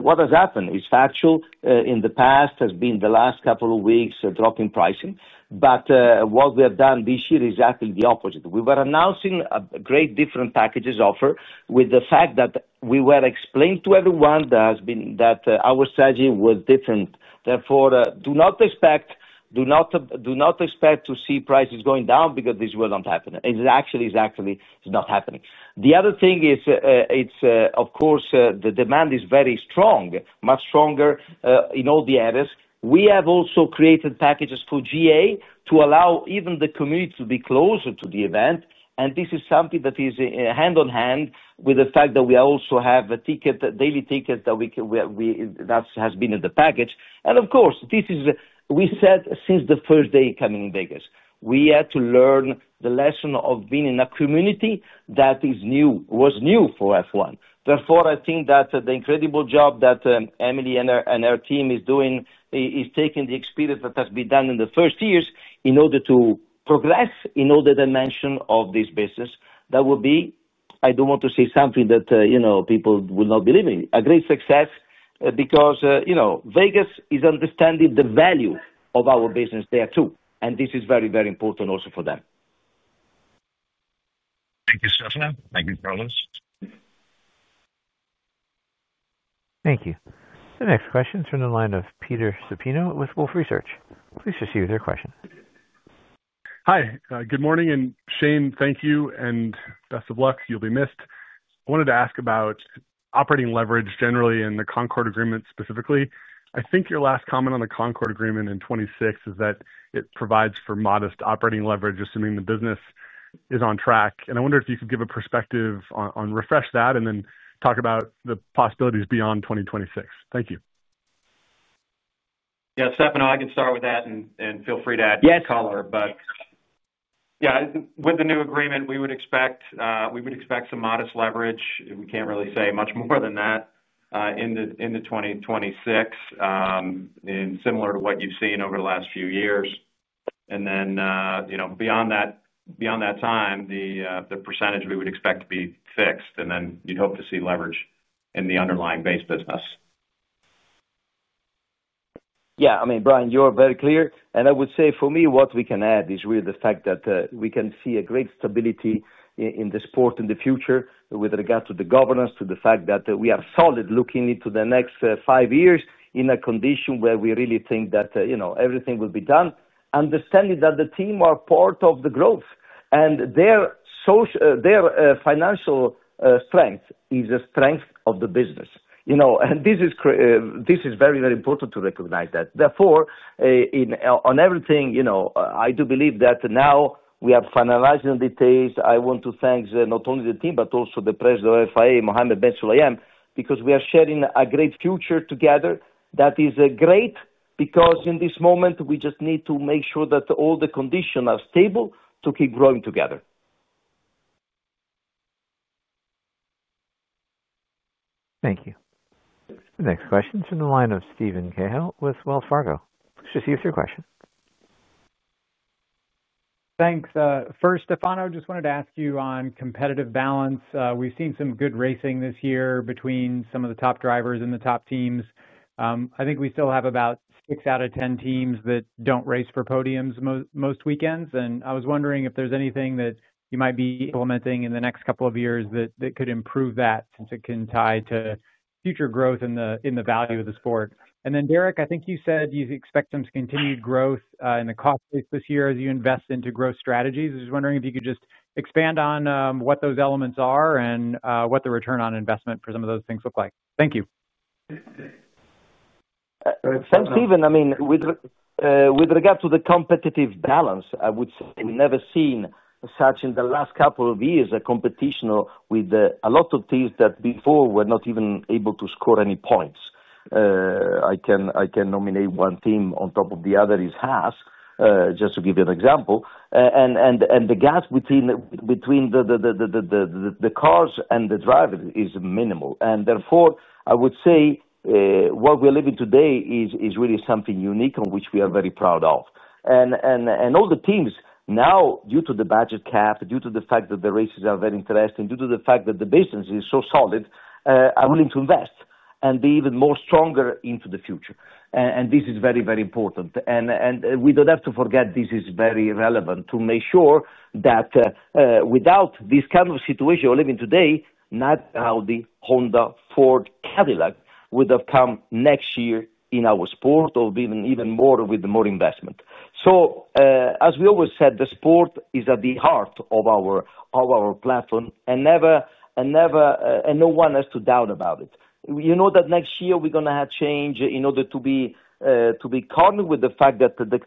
What has happened is factual in the past has been the last couple of weeks drop in pricing. What we have done this year is exactly the opposite. We were announcing great different packages offer with the fact that we were explained to everyone that our strategy was different. Therefore, do not expect, do not expect, do not expect to see prices going down because this will not happen, it actually is actually not happening. The other thing is it's, of course, the demand is very strong, much stronger in all the areas. We have also created packages for GA to allow even the community to be closer to the event. This is something that is hand in hand with the fact that we also have daily tickets that have been in the package. Of course, this is, we said since the first day coming in Vegas, we had to learn the lesson of being in a community that is new. Was new for F1. Therefore, I think that the incredible job that Emily and her team is doing is taking the experience that has been done in the first years in order to progress in all the dimension of this business. That would be, I do not want to say something that, you know, people will not believe in a great success because, you know, Vegas is understanding the value of our business there too. This is very, very important also for them. Thank you, Stefano. Thank you, Carlos. Thank you. The next question is from the line of Peter Supino with Wolfe Research. Please proceed with your question. Hi, good morning and Shane, thank you and best of luck. You'll be missed. I wanted to ask about operating leverage generally in the Concorde Agreement. Specifically, I think your last comment on the Concorde Agreement in 2026 is that it provides for modest operating leverage, assuming the business is on track. I wonder if you could give a perspective on, refresh that and then talk about the possibilities beyond 2026. Thank you. Yeah, Stefano, I can start with that and feel free to add color. But yeah, with the new agreement, we would expect some modest leverage. We can't really say much more than that into 2026, similar to what you've seen over the last few years. You know, beyond that time, the percentage we would expect to be fixed and then you'd hope to see leverage in the underlying base business. Yeah, I mean, Brian, you're very clear. I would say for me, what we can add is really the fact that we can see a great stability in the sport in the future with regard to the governance, to the fact that we are solid looking into the next five years in a condition where we really think that, you know, everything will be done, understanding that the team are part of the growth and their financial strength is the strength of the business, you know, and this is, this is very, very important to recognize that. Therefore, on everything, you know, I do believe that. Now we are finalizing details. I want to thank not only the team, but also the President of FIA, Mohammed Ben Sulayem, because we are sharing a great future together. That is great because in this moment we just need to make sure that all the conditions are stable to keep growing together. Thank you. Next question from the line of Stephen Cahill with Wells Fargo. Just use your question. Thanks. First, Stefano, just wanted to ask you on competitive balance, we've seen some good racing this year between some of the top drivers and the top teams. I think we still have about six out of ten teams that don't race for podiums most weekends. I was wondering if there's anything that you might be implementing in the next couple of years that could improve that since it can tie to future growth in the value of the sport. Then, Derek, I think you said you expect some continued growth in the cost base this year as you invest into growth strategies. I was wondering if you could just expand on what those elements are and what the return on investment for some of those things look like. Thank you. Thanks, Stephen. I mean, with regard to the competitive balance, I would say we never seen such in the last couple of years a competition or with a lot of teams that before were not even able to score any points. I can nominate one team on top of the other is Haas, just to give you an example. And the gap between the cars and the driver is minimal. Therefore I would say what we're living today is really something unique and which we are very proud of. All the teams now, due to the budget cap, due to the fact that the races are very interesting, due to the fact that the business is so solid, are willing to invest and be even more stronger into the future. This is very, very important and we don't have to forget this is very relevant to make sure that without this kind of situation we live in today, not Audi, Honda, Ford, Cadillac would have come next year in our sport or even more with more investment. As we always said, the sport is at the heart of our platform and no one has to doubt about it. You know, that next year we're going to have change in order to be cognizant with the fact that the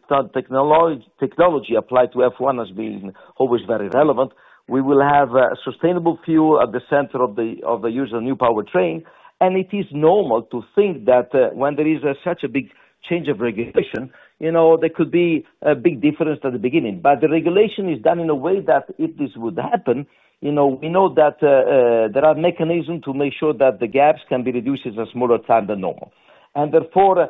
technology applied to F1 has been always very relevant. We will have sustainable fuel at the center of the use of new powertrain. It is normal to think that when there is such a big change of regulation, you know, there could be a big difference at the beginning. The regulation is done in a way that if this would happen, you know, we know that there are mechanisms to make sure that the gaps can be reduced in a smaller time than normal. Therefore,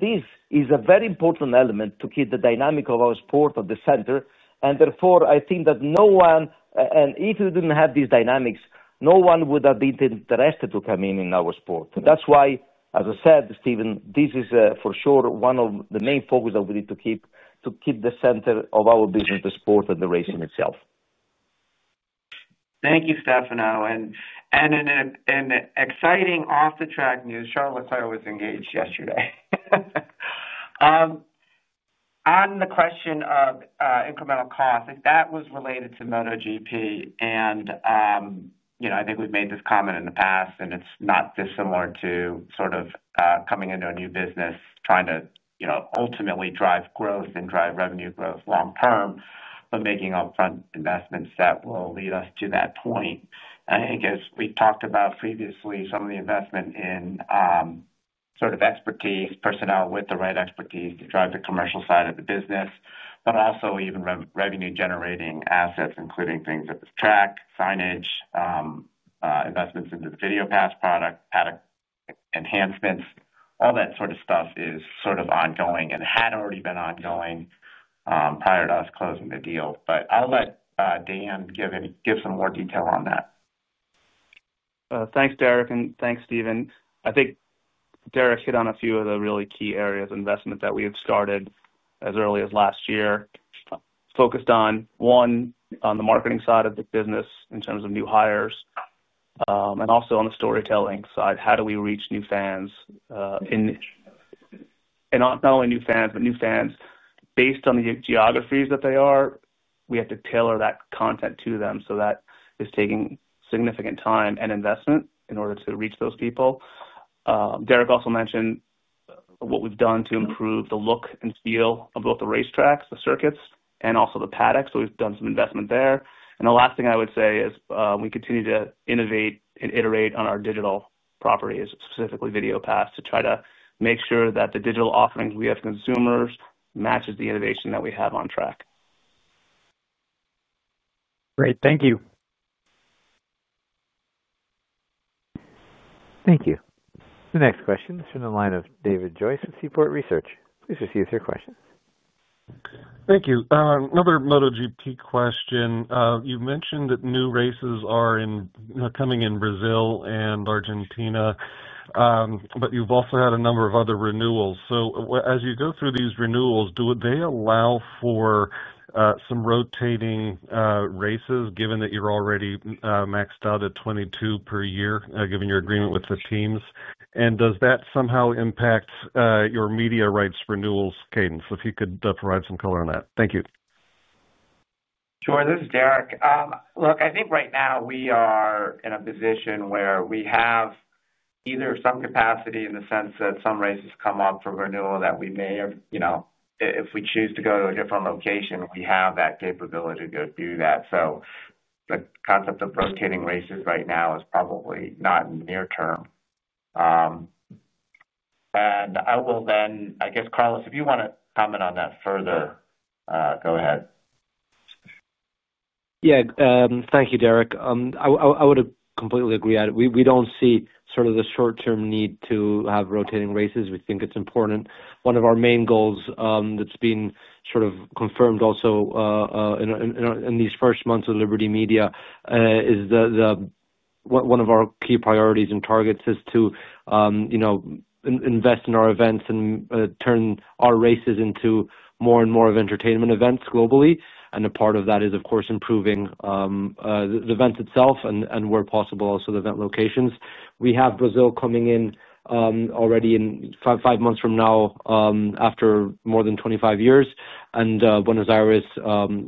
this is a very important element to keep the dynamic of our sport at the center. Therefore, I think that no one, and if we did not have these dynamics, no one would have been interested to come in in our sport. That's why, as I said, Stephen, this is for sure one of the main focus that we need to keep to keep the center of our business. Sport and the racing itself. Thank you, Stefano. In exciting off the track news, Charles Leclerc was engaged yesterday. On the. Question of incremental cost, if that was related to MotoGP. I think we've made this comment in the past and it's not dissimilar to sort of coming into a new business trying to ultimately drive growth and drive revenue growth long term, but making upfront investments that will lead us to that point. I think as we talked about previously, some of the investment in sort of expertise, personnel with the right expertise to drive the commercial side of the business, but also even revenue generating assets including things like surface track, signage, investments into the Video Pass product enhancements, all that sort of stuff is sort of ongoing and had already been ongoing prior to us closing the deal. I'll let Dan give some more detail on that. Thanks Derek. Thanks, Steven. I think Derek hit on a few of the really key areas of investment that we had started as early as last year focused on, one, on the marketing side of the business in terms of new hires and also on the storytelling side. How do we reach new fans? And not only new fans, but new fans based on the geographies that they are, we have to tailor that content to them. That is taking significant time and investment in order to reach those people. Derek also mentioned what we've done to improve the look and feel of both the racetracks, the circuits, and also the paddock. We have done some investment there. The last thing I would say is we continue to innovate and iterate on our digital properties, specifically Video Pass, to try to make sure that the digital offerings we have for consumers matches the innovation that we have on track. Great, thank you. Thank you. The next question is from the line of David Joyce with Seaport Research. Please receive your questions. Thank you. Another MotoGP question. You mentioned that new races are coming in Brazil and Argentina, but you have also had a number of other renewals. As you go through these renewals, do they allow for some rotating races given that you are already maxed out at 22 per year, given your agreement with the teams? Does that somehow impact your media rights renewals cadence, if you could provide some color on that? Thank you. Sure. This is Derek. Look, I think right now we are in a position where we have either some capacity in the sense that some races come up for renewal that we may have, you know, if we choose to go to a different location, we have that capability to do that. The concept of rotating races right now is probably not in the near term. I will then, I guess, Carlos, if you want to comment on that further, go ahead. Yeah, thank you, Derek. I would completely agree. We do not see sort of the short term need to have rotating races. We think it is important. One of our main goals that's been. Sort of confirmed also in these first. Months of Liberty Media is one of. Our key priorities and targets is to. You know, invest in our events and turn our races into more and more. Of entertainment events globally. A part of that is, of course, improving the events itself and where possible, also the event locations. We have Brazil coming in already in five months from now, after more than 25 years, and Buenos Aires,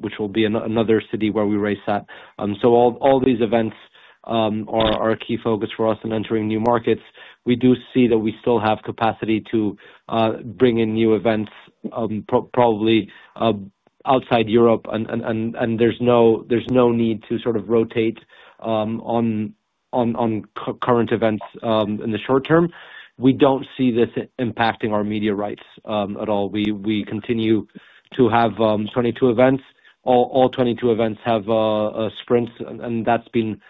which will be another city where we race at. All these events are a key. Focus for us in entering new markets. We do see that we still have capacity to bring in new events probably outside Europe, and there's no need to. Sort of rotate on current events. In the short term, we don't see this impacting our media rights at all. We continue to have 22 events. All 22 events have sprints. That has been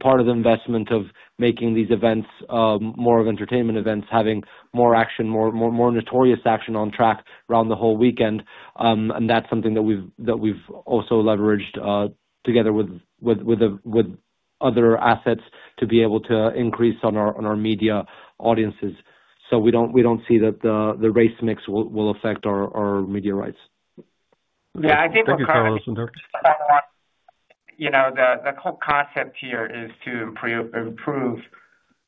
part of the investment of making these events more of entertainment. Events, having more action, more notorious action. On track around the whole weekend. That is something that we have also leveraged. Together with other assets to be able. To increase on our media audiences. We do not see that the race. Mix will affect our media rights. Yeah, I think, you know, the whole concept here is to improve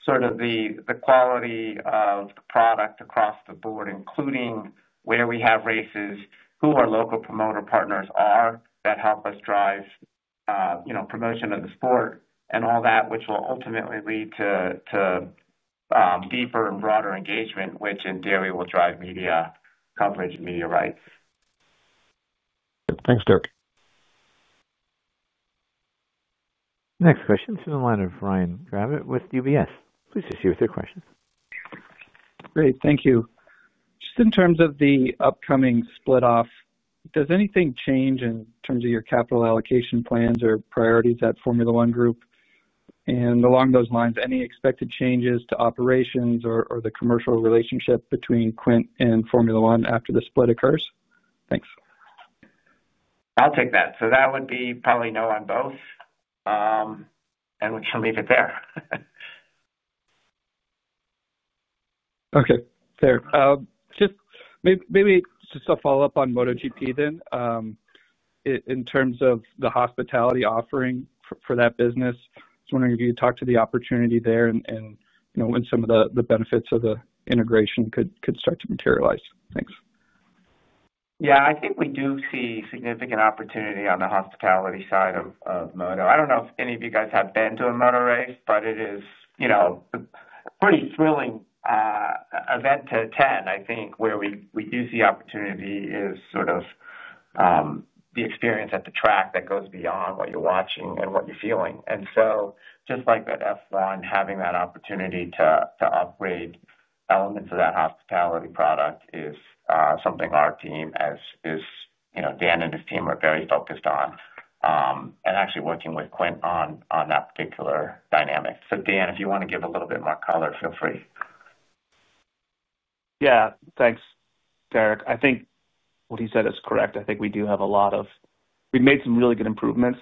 sort of the quality of the product across the board, including where we have races, who our local promoter partners are that help us drive, you know, promotion of the sport and all that, which will ultimately lead to deeper and broader engagement, which in theory will drive media coverage and media rights. Thanks, Derek. Next question is in line of Ryan Gravett with UBS. Please proceed with your questions. Great, thank you. Just in terms of the upcoming split off, does anything change in terms of your capital allocation plans or priorities at Liberty Live Group, and along those lines, any expected changes to operations or the commercial relationship between Quint and Formula One after the split occurs? Thanks, I'll take that. So that would be probably no, on both. We can leave it there. Okay. Maybe just a follow up on MotoGP then. In terms of the hospitality offering for that business, I was wondering if you could talk to the opportunity there and when some of the benefits of the integration could start to materialize. Thanks. Yeah, I think we do see significant opportunity on the hospitality side of Moto. I do not know if any of you guys have been to a Moto race, but it is a pretty thrilling event to attend. I think where we do see opportunity is sort of the experience at the track that goes beyond what you are watching and what you are feeling. Just like at F1, having that opportunity to upgrade elements of that hospitality product is something our team, as you know, Dan and his team are very focused on and actually working with Quint on that particular dynamic. Dan, if you want to give a little bit more color, feel free. Yeah, thanks, Derek. I think what he said is correct. I think we do have a lot of—we made some really good improvements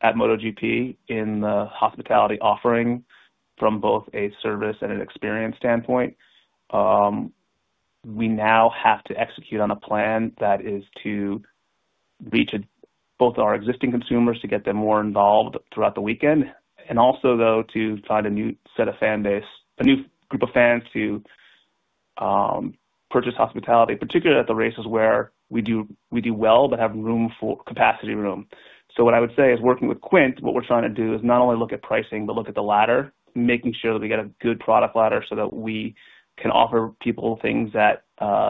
at MotoGP in the hospitality offering from both a service and an experience standpoint. We now have to execute on a plan that is to reach both our existing consumers to get them more involved throughout the weekend and also, though, to find a new set of fan base, a new group of fans to purchase hospitality, particularly at the races where we do well but have room for capacity room. What I would say is working with Quint, what we're trying to do is not only look at pricing, but look at the ladder, making sure that we get a good product ladder so that we can offer people things at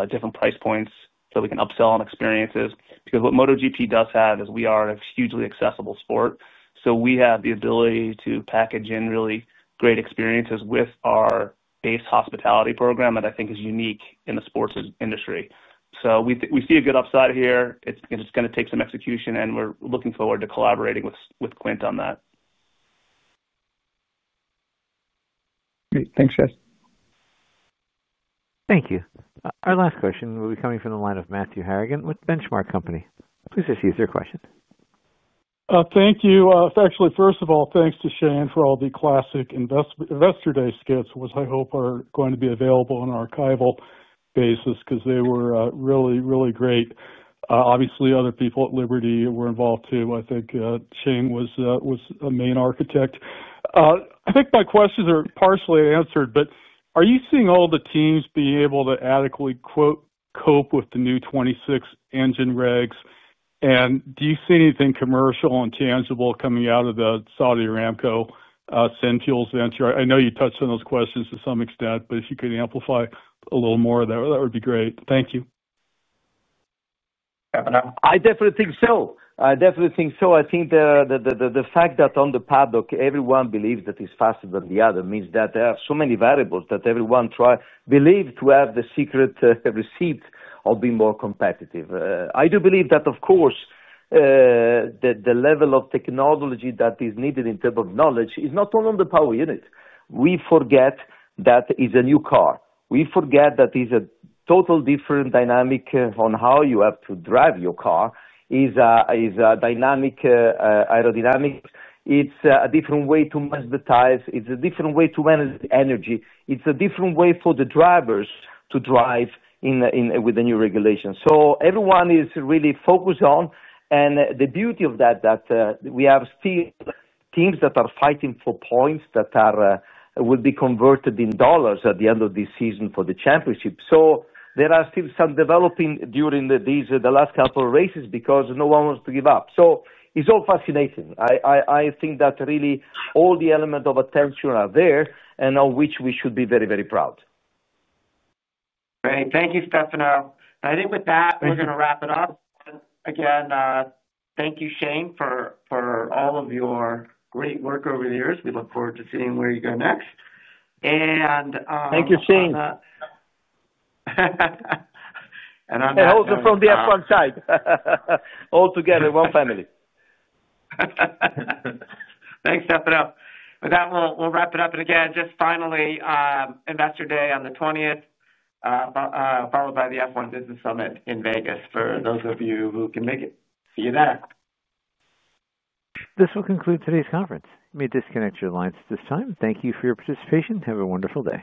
different price points, so we can upsell on experiences. What MotoGP does have is we are a hugely accessible sport. We have the ability to package in really great experiences with our base hospitality program that I think is unique in the sports industry. We see a good upside here. It's going to take some execution and we're looking forward to collaborating with Quint on that. Thanks, Jess. Thank you. Our last question will be coming from the line of Matthew Harrigan with Benchmark Company. Please excuse your question. Thank you. Actually, first of all, thanks to Shane for all the classic Investor Day skits, which I hope are going to be available on an archival basis because they were really, really great. Obviously other people at Liberty were involved too. I think Chang was a main architect. I think my questions are partially answered. Are you seeing all the teams be able to, adequately, quote, cope with the new 26 engine regs? Do you see anything commercial and tangible coming out of the Saudi Aramco send fuels venture? I know you touched on those questions to some extent, but if you could amplify a little more, that would be great. Thank you. I definitely think so. I think the fact that on the paddock everyone believes that it's faster than the other means that there are so many variables that everyone tries to believe to have the secret receipt of being more competitive. I do believe that, of course, the level of technology that is needed in terms of knowledge is not only the power unit. We forget that it's a new car. We forget that it is a totally different dynamic on how you have to drive your car. It is dynamic aerodynamics. It's a different way to monetize. It's a different way to manage energy. It's a different way for the drivers to drive with the new regulations. Everyone is really focused on and the beauty of that, that we have still teams that are fighting for points that will be converted in dollars at the end of this season for the championship. There are still some developing during these, the last couple races because no one wants to give up. It is all fascinating. I think that really all the element of attention are there and of which. We should be very, very proud. Great. Thank you, Stefano. I think with that we are going to wrap it up again. Thank you, Shane, for all of your great work over the years. We look forward to seeing where you go next. Thank you, Shane. Also from the upfront side, all together, one family. Thanks, Stefano. With that, we'll wrap it up. And again, just finally, Investor Day on the 20th, followed by the F1 business summit in Vegas for those of you who can make it. See you there. This will conclude today's conference. You may disconnect your lines at this time. Thank you for your participation. Have a wonderful day.